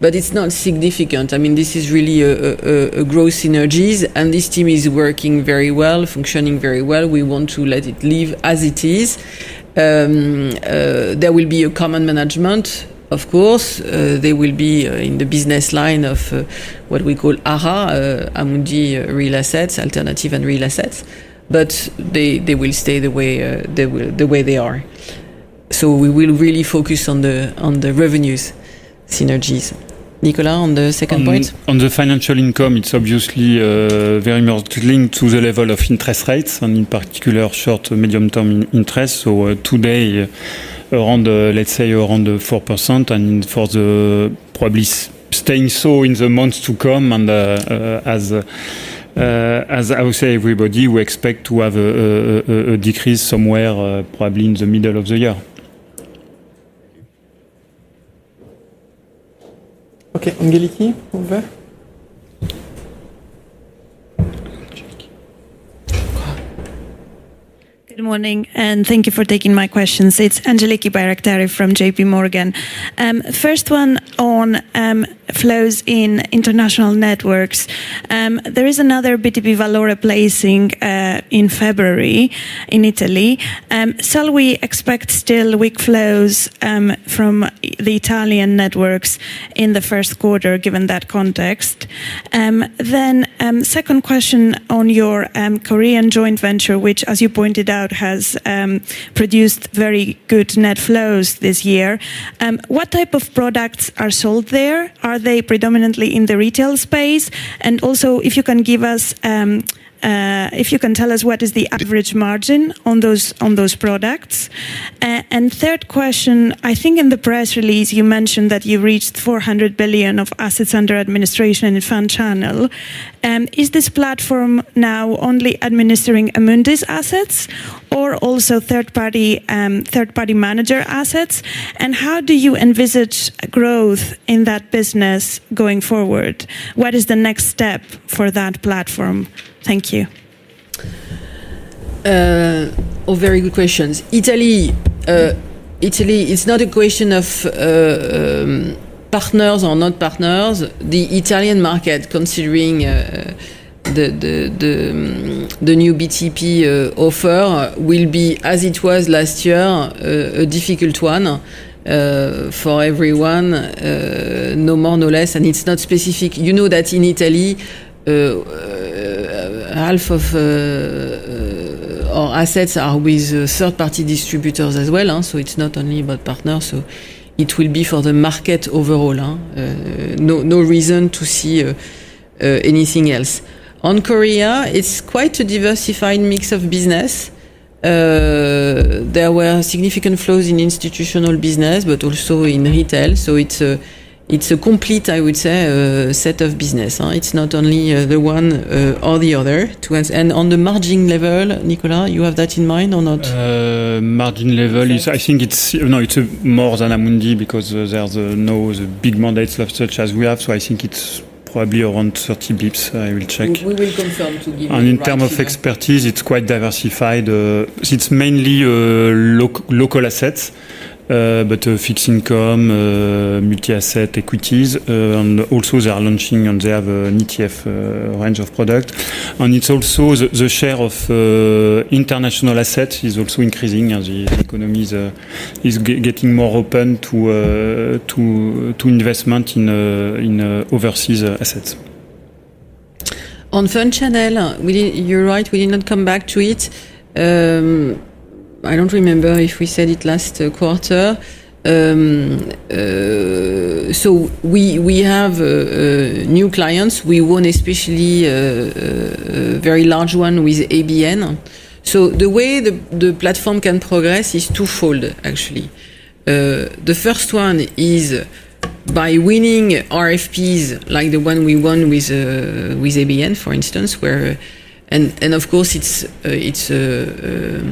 [SPEAKER 2] but it's not significant. I mean, this is really a growth synergies, and this team is working very well, functioning very well. We want to let it live as it is. There will be a common management, of course. They will be in the business line of what we call ARA, Amundi Real Assets, alternative and real assets, but they will stay the way they are. So we will really focus on the revenues synergies. Nicolas, on the second point?
[SPEAKER 3] On the financial income, it's obviously very much linked to the level of interest rates and in particular, short- to medium-term interest. So today, around, let's say, around 4%, and it probably staying so in the months to come, and as I would say, everybody, we expect to have a decrease somewhere, probably in the middle of the year.
[SPEAKER 1] Okay, Angeliki, over.
[SPEAKER 10] Good morning, and thank you for taking my questions. It's Angeliki Bairaktari from JPMorgan. First one on flows in international networks. There is another BTP Valore placing in February in Italy. Shall we expect still weak flows from the Italian networks in the first quarter, given that context? Then, second question on your Korean joint venture, which, as you pointed out, has produced very good net flows this year. What type of products are sold there? Are they predominantly in the retail space? And also, if you can give us, if you can tell us what is the average margin on those products. And third question, I think in the press release, you mentioned that you reached 400 billion of assets under administration in Fund Channel. Is this platform now only administering Amundi's assets or also third-party manager assets? And how do you envisage growth in that business going forward? What is the next step for that platform? Thank you.
[SPEAKER 2] All very good questions. Italy, it's not a question of partners or not partners. The Italian market, considering the new BTP offer, will be, as it was last year, a difficult one for everyone, no more, no less, and it's not specific. You know that in Italy, half of our assets are with third-party distributors as well, so it's not only about partners, so it will be for the market overall. No reason to see anything else. On Korea, it's quite a diversified mix of business. There were significant flows in institutional business, but also in retail. So it's a complete, I would say, set of business. It's not only the one or the other to us. On the margin level, Nicolas, you have that in mind or not?
[SPEAKER 3] Margin level is, I think it's... No, it's more than Amundi because there's no big mandates of such as we have. So I think it's probably around 30 basis points. I will check.
[SPEAKER 2] We will confirm to give you-
[SPEAKER 3] In terms of expertise, it's quite diversified. It's mainly local assets, but fixed income, multi-asset equities, and also they are launching, and they have an ETF range of products. The share of international assets is also increasing as the economy is getting more open to investment in overseas assets.
[SPEAKER 2] On Fund Channel, we didn't. You're right, we did not come back to it. I don't remember if we said it last quarter. So we have new clients. We won especially a very large one with ABN. So the way the platform can progress is twofold, actually. The first one is by winning RFPs, like the one we won with ABN, for instance, where and of course, it's a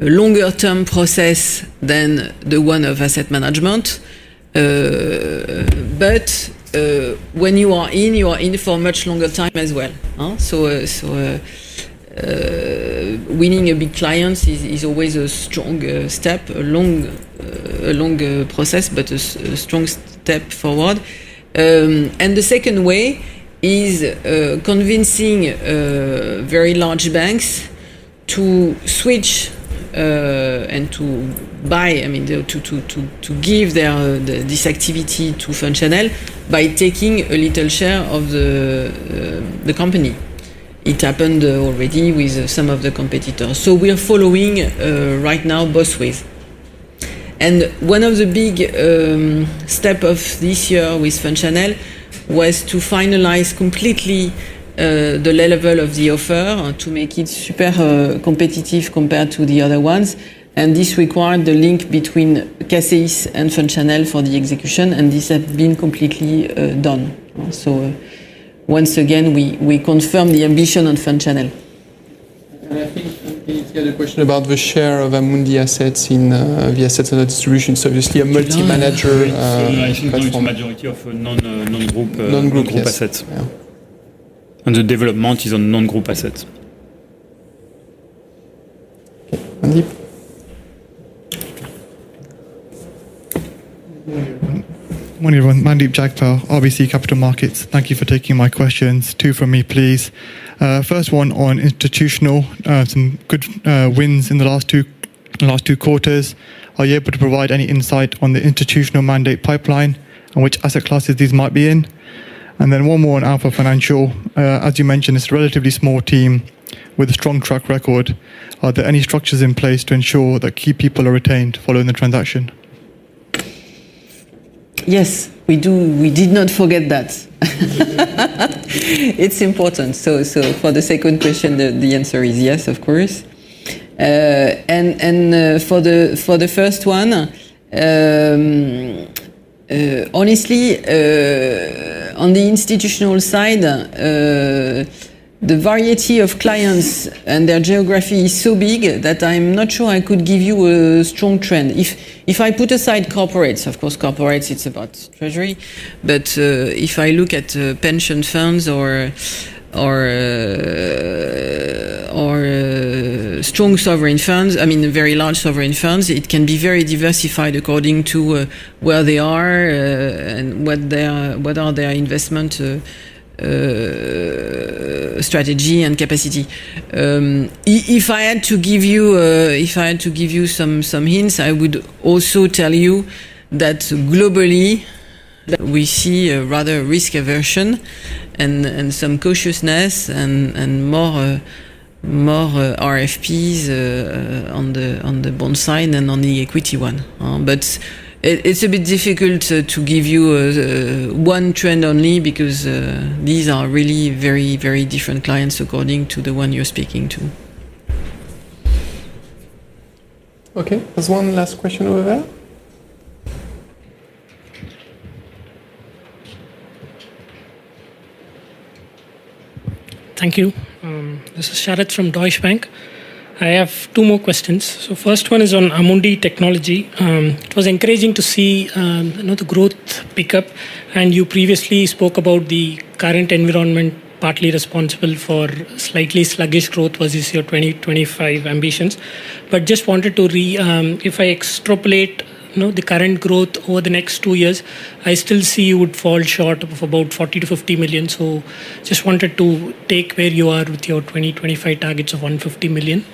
[SPEAKER 2] longer-term process than the one of asset management. But when you are in, you are in for a much longer time as well, huh? So winning a big client is always a strong step, a long process, but a strong step forward. And the second way is convincing very large banks to switch and to buy, I mean, to give their this activity to Fund Channel by taking a little share of the company. It happened already with some of the competitors. So we are following right now, both ways. And one of the big step of this year with Fund Channel was to finalize completely the level of the offer, to make it super competitive compared to the other ones, and this required the link between CACEIS and Fund Channel for the execution, and this has been completely done. So once again, we confirm the ambition on Fund Channel.
[SPEAKER 1] I think we need to get a question about the share of Amundi assets in the assets under distribution. Obviously, a multi-manager platform.
[SPEAKER 3] Majority of non-group
[SPEAKER 1] Non-group assets.
[SPEAKER 3] Yeah. And the development is on non-group assets.
[SPEAKER 1] Mandeep?
[SPEAKER 11] Good morning, everyone. Mandeep Jagpal, RBC Capital Markets. Thank you for taking my questions. Two from me, please. First one on institutional. Some good wins in the last two, last two quarters. Are you able to provide any insight on the institutional mandate pipeline and which asset classes these might be in? And then one more on Alpha Associates. As you mentioned, it's a relatively small team with a strong track record. Are there any structures in place to ensure that key people are retained following the transaction?
[SPEAKER 2] Yes, we do. We did not forget that. It's important. So for the second question, the answer is yes, of course. And for the first one, honestly, on the institutional side, the variety of clients and their geography is so big that I'm not sure I could give you a strong trend. If I put aside corporates, of course, corporates, it's about treasury. But if I look at pension funds or strong sovereign funds, I mean, very large sovereign funds, it can be very diversified according to where they are and what their investment strategy and capacity. If I had to give you some hints, I would also tell you that globally, we see a rather risk aversion and some cautiousness and more RFPs on the bond side and on the equity one. But it's a bit difficult to give you one trend only because these are really very different clients according to the one you're speaking to.
[SPEAKER 1] Okay, there's one last question over there.
[SPEAKER 12] Thank you. This is Sharat from Deutsche Bank. I have two more questions. So first one is on Amundi Technology. It was encouraging to see another growth pickup, and you previously spoke about the current environment, partly responsible for slightly sluggish growth versus your 2025 ambitions. But just wanted to... If I extrapolate, you know, the current growth over the next two years, I still see you would fall short of about 40-50 million. So just wanted to take where you are with your 2025 targets of 150 million.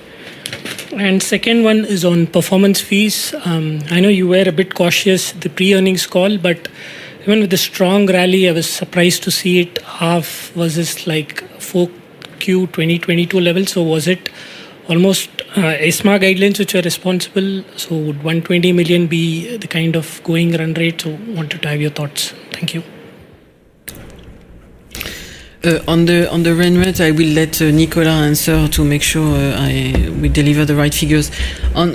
[SPEAKER 12] And second one is on performance fees. I know you were a bit cautious, the pre-earnings call, but even with the strong rally, I was surprised to see it half. Was this, like, for Q2 2022 levels, or was it almost ESMA guidelines which are responsible?
[SPEAKER 1] So, would 120 million be the kind of going run rate, or wanted to have your thoughts. Thank you.
[SPEAKER 2] On the run rate, I will let Nicolas answer to make sure we deliver the right figures on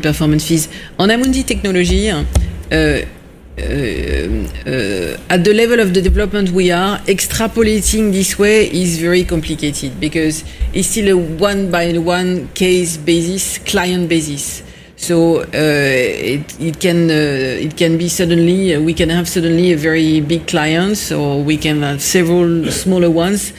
[SPEAKER 2] performance fees. On Amundi Technology, at the level of the development we are, extrapolating this way is very complicated because it's still a one-by-one case basis, client basis. So, it can be suddenly, we can have suddenly a very big client, or we can have several smaller ones.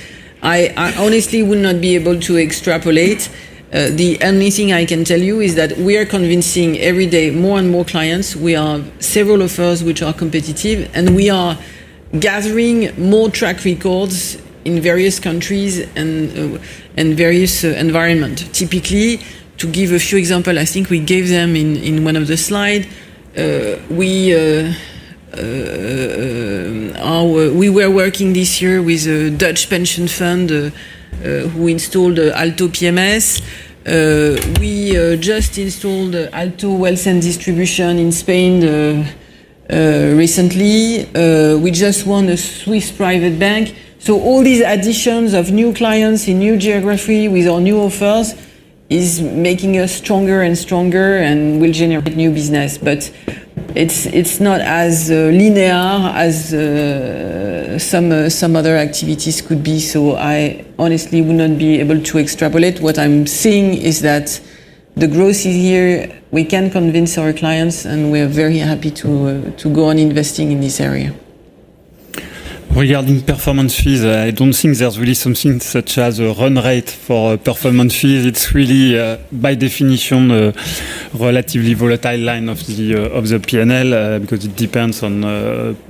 [SPEAKER 2] I honestly would not be able to extrapolate. The only thing I can tell you is that we are convincing every day, more and more clients. We have several offers which are competitive, and we are gathering more track records in various countries and various environment. Typically, to give a few example, I think we gave them in one of the slide. We were working this year with a Dutch pension fund who installed Alto PMS. We just installed Alto Wealth and Distribution in Spain recently. We just won a Swiss private bank. So all these additions of new clients in new geography with our new offers is making us stronger and stronger, and we generate new business. But it's not as linear as some other activities could be, so I honestly would not be able to extrapolate. What I'm seeing is that the growth is here. We can convince our clients, and we're very happy to go on investing in this area.
[SPEAKER 3] Regarding performance fees, I don't think there's really something such as a run rate for performance fees. It's really by definition a relatively volatile line of the PNL because it depends on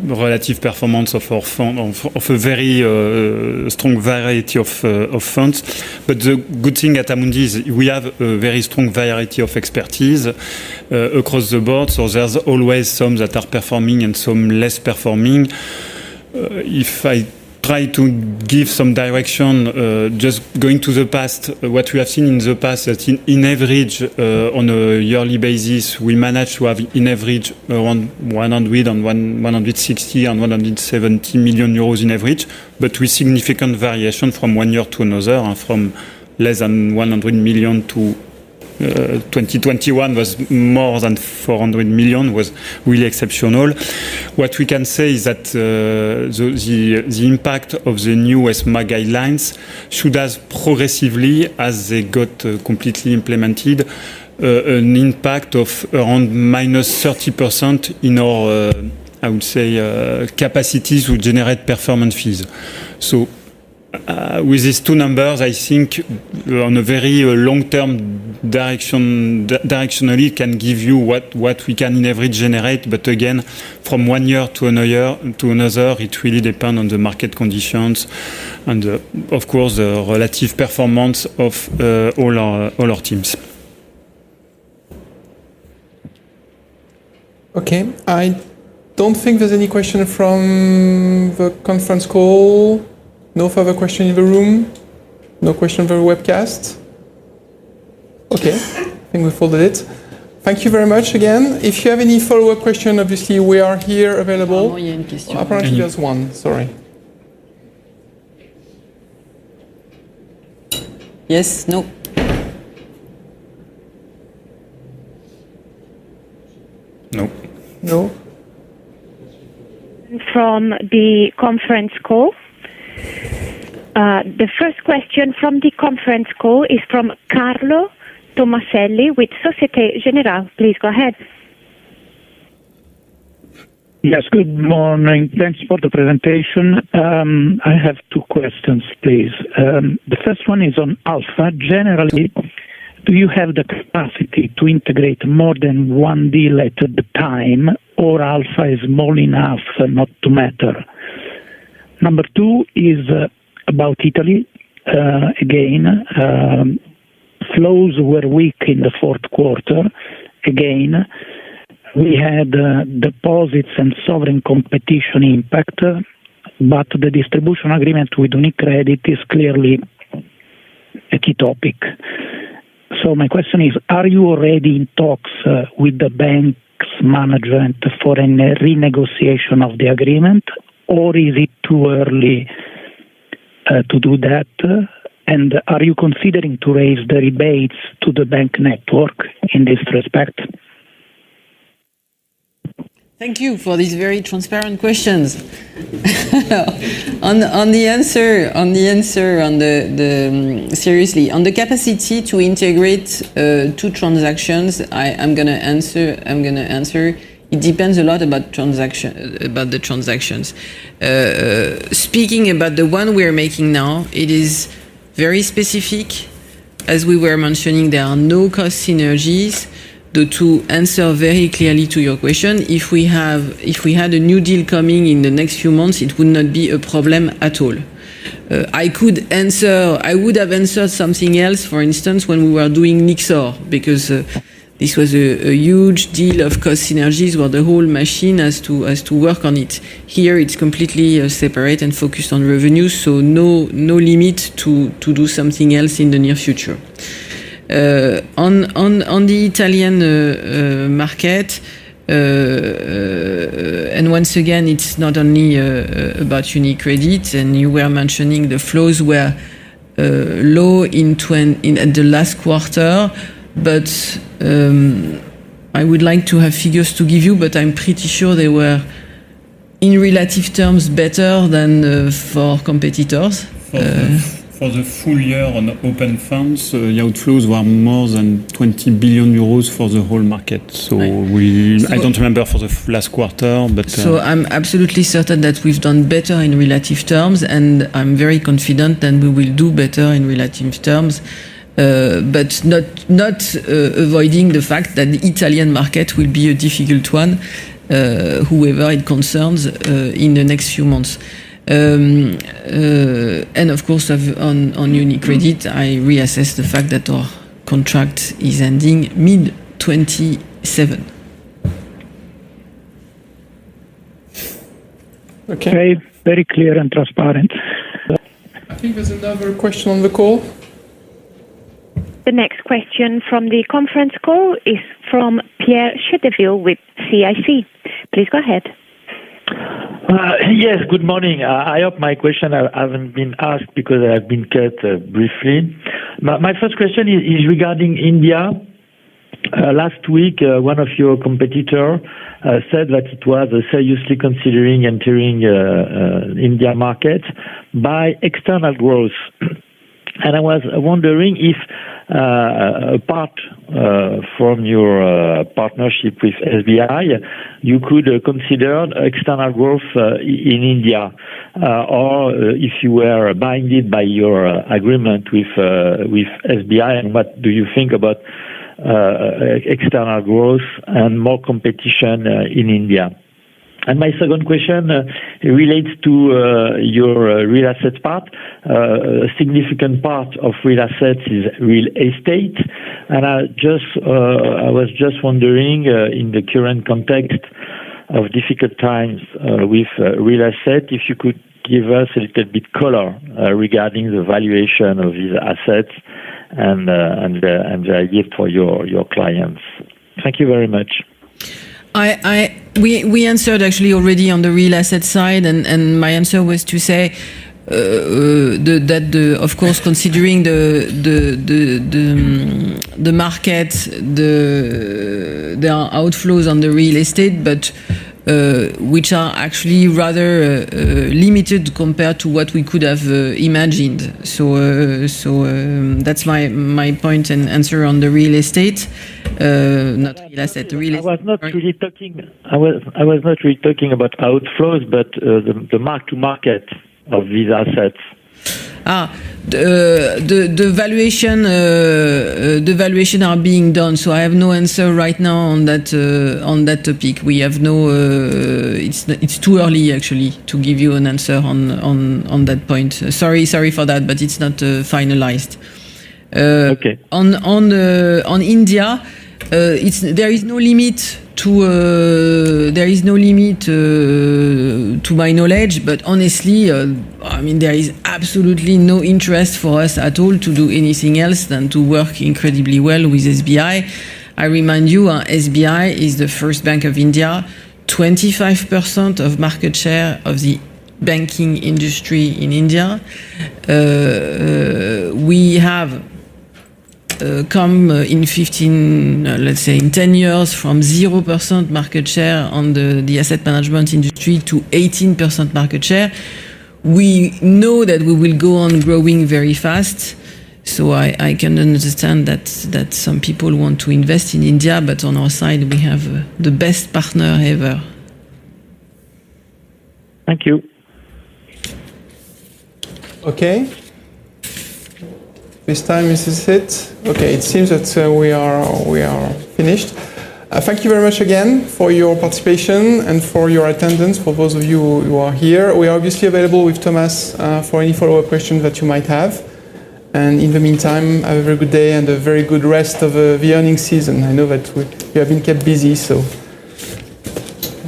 [SPEAKER 3] relative performance of a very strong variety of funds. But the good thing at Amundi is we have a very strong variety of expertise across the board, so there's always some that are performing and some less performing. If I try to give some direction, just going to the past, what we have seen in the past, that in average, on a yearly basis, we managed to have in average around 101 million, 160 million and 170 million euros in average, but with significant variation from one year to another, from less than 100 million to, 2021 was more than 400 million, was really exceptional. What we can say is that, the impact of the new ESMA guidelines should as progressively as they got, completely implemented, an impact of around -30% in our, I would say, capacities to generate performance fees. So, with these two numbers, I think on a very long-term direction, directionally, can give you what, what we can in average generate, but again, from one year to another year, to another, it really depend on the market conditions and, of course, the relative performance of, all our, all our teams.
[SPEAKER 1] Okay. I don't think there's any question from the conference call. No further question in the room? No question from the webcast. Okay, I think we've folded it. Thank you very much again. If you have any follow-up question, obviously we are here available.
[SPEAKER 2] Oh, yeah, a question.
[SPEAKER 1] Apparently, there's one. Sorry.
[SPEAKER 2] Yes? No.
[SPEAKER 3] No.
[SPEAKER 1] No.
[SPEAKER 13] From the conference call. The first question from the conference call is from Carlo Tommaselli with Société Générale. Please go ahead.
[SPEAKER 14] Yes, good morning. Thanks for the presentation. I have two questions, please. The first one is on Alpha. Generally, do you have the capacity to integrate more than one deal at a time, or Alpha is small enough not to matter? Number two is about Italy. Again, flows were weak in the fourth quarter. Again, we had deposits and sovereign competition impact, but the distribution agreement with UniCredit is clearly a key topic. So my question is, are you already in talks with the bank's management for any renegotiation of the agreement, or is it too early to do that? And are you considering to raise the rebates to the bank network in this respect?
[SPEAKER 2] Thank you for these very transparent questions. On the capacity to integrate two transactions, I'm gonna answer: It depends a lot about the transactions. Speaking about the one we are making now, it is very specific. As we were mentioning, there are no cost synergies. To answer very clearly to your question, if we had a new deal coming in the next few months, it would not be a problem at all. I could answer... I would have answered something else, for instance, when we were doing Lyxor, because this was a huge deal of cost synergies, where the whole machine has to work on it. Here, it's completely separate and focused on revenue, so no, no limit to do something else in the near future. On, on, on the Italian market, and once again, it's not only about UniCredit, and you were mentioning the flows were low in the last quarter. But I would like to have figures to give you, but I'm pretty sure they were, in relative terms, better than for competitors.
[SPEAKER 1] For the full year on open funds, the outflows were more than 20 billion euros for the whole market.
[SPEAKER 2] Right.
[SPEAKER 1] So, I don't remember for the last quarter, but.
[SPEAKER 2] I'm absolutely certain that we've done better in relative terms, and I'm very confident, and we will do better in relative terms. But not avoiding the fact that the Italian market will be a difficult one, whoever it concerns, in the next few months. And of course, on UniCredit, I reassess the fact that our contract is ending mid-2027.
[SPEAKER 14] Okay. Very clear and transparent.
[SPEAKER 1] I think there's another question on the call.
[SPEAKER 13] The next question from the conference call is from Pierre Chedeville with CIC. Please go ahead....
[SPEAKER 15] Yes, good morning. I hope my question hasn't been asked because I have been cut briefly. My first question is regarding India. Last week, one of your competitor said that it was seriously considering entering the India market by external growth. And I was wondering if, apart from your partnership with SBI, you could consider external growth in India, or if you were bound by your agreement with SBI, and what do you think about external growth and more competition in India? And my second question relates to your real asset part. A significant part of real assets is real estate, and I just, I was just wondering, in the current context of difficult times, with real asset, if you could give us a little bit color regarding the valuation of these assets and the idea for your clients. Thank you very much.
[SPEAKER 2] We answered actually already on the real asset side, and my answer was to say that, of course, considering the market, there are outflows on the real estate, but which are actually rather limited compared to what we could have imagined. So, that's my point and answer on the real estate, not real asset, real estate.
[SPEAKER 15] I was not really talking about outflows, but the mark to market of these assets.
[SPEAKER 2] Ah! The valuation are being done, so I have no answer right now on that topic. We have no... It's too early, actually, to give you an answer on that point. Sorry for that, but it's not finalized.
[SPEAKER 15] Okay.
[SPEAKER 2] On India, there is no limit to my knowledge, but honestly, I mean, there is absolutely no interest for us at all to do anything else than to work incredibly well with SBI. I remind you, SBI is the first bank of India, 25% of market share of the banking industry in India. We have come in 15, let's say, in 10 years, from 0% market share on the asset management industry to 18% market share. We know that we will go on growing very fast, so I can understand that some people want to invest in India, but on our side, we have the best partner ever.
[SPEAKER 15] Thank you.
[SPEAKER 1] Okay. This time, this is it. Okay, it seems that we are finished. Thank you very much again for your participation and for your attendance, for those of you who are here. We are obviously available with Thomas for any follow-up questions that you might have. And in the meantime, have a very good day and a very good rest of the earnings season. I know that we have been kept busy, so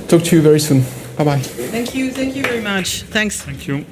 [SPEAKER 1] talk to you very soon. Bye-bye.
[SPEAKER 2] Thank you. Thank you very much. Thanks.
[SPEAKER 1] Thank you.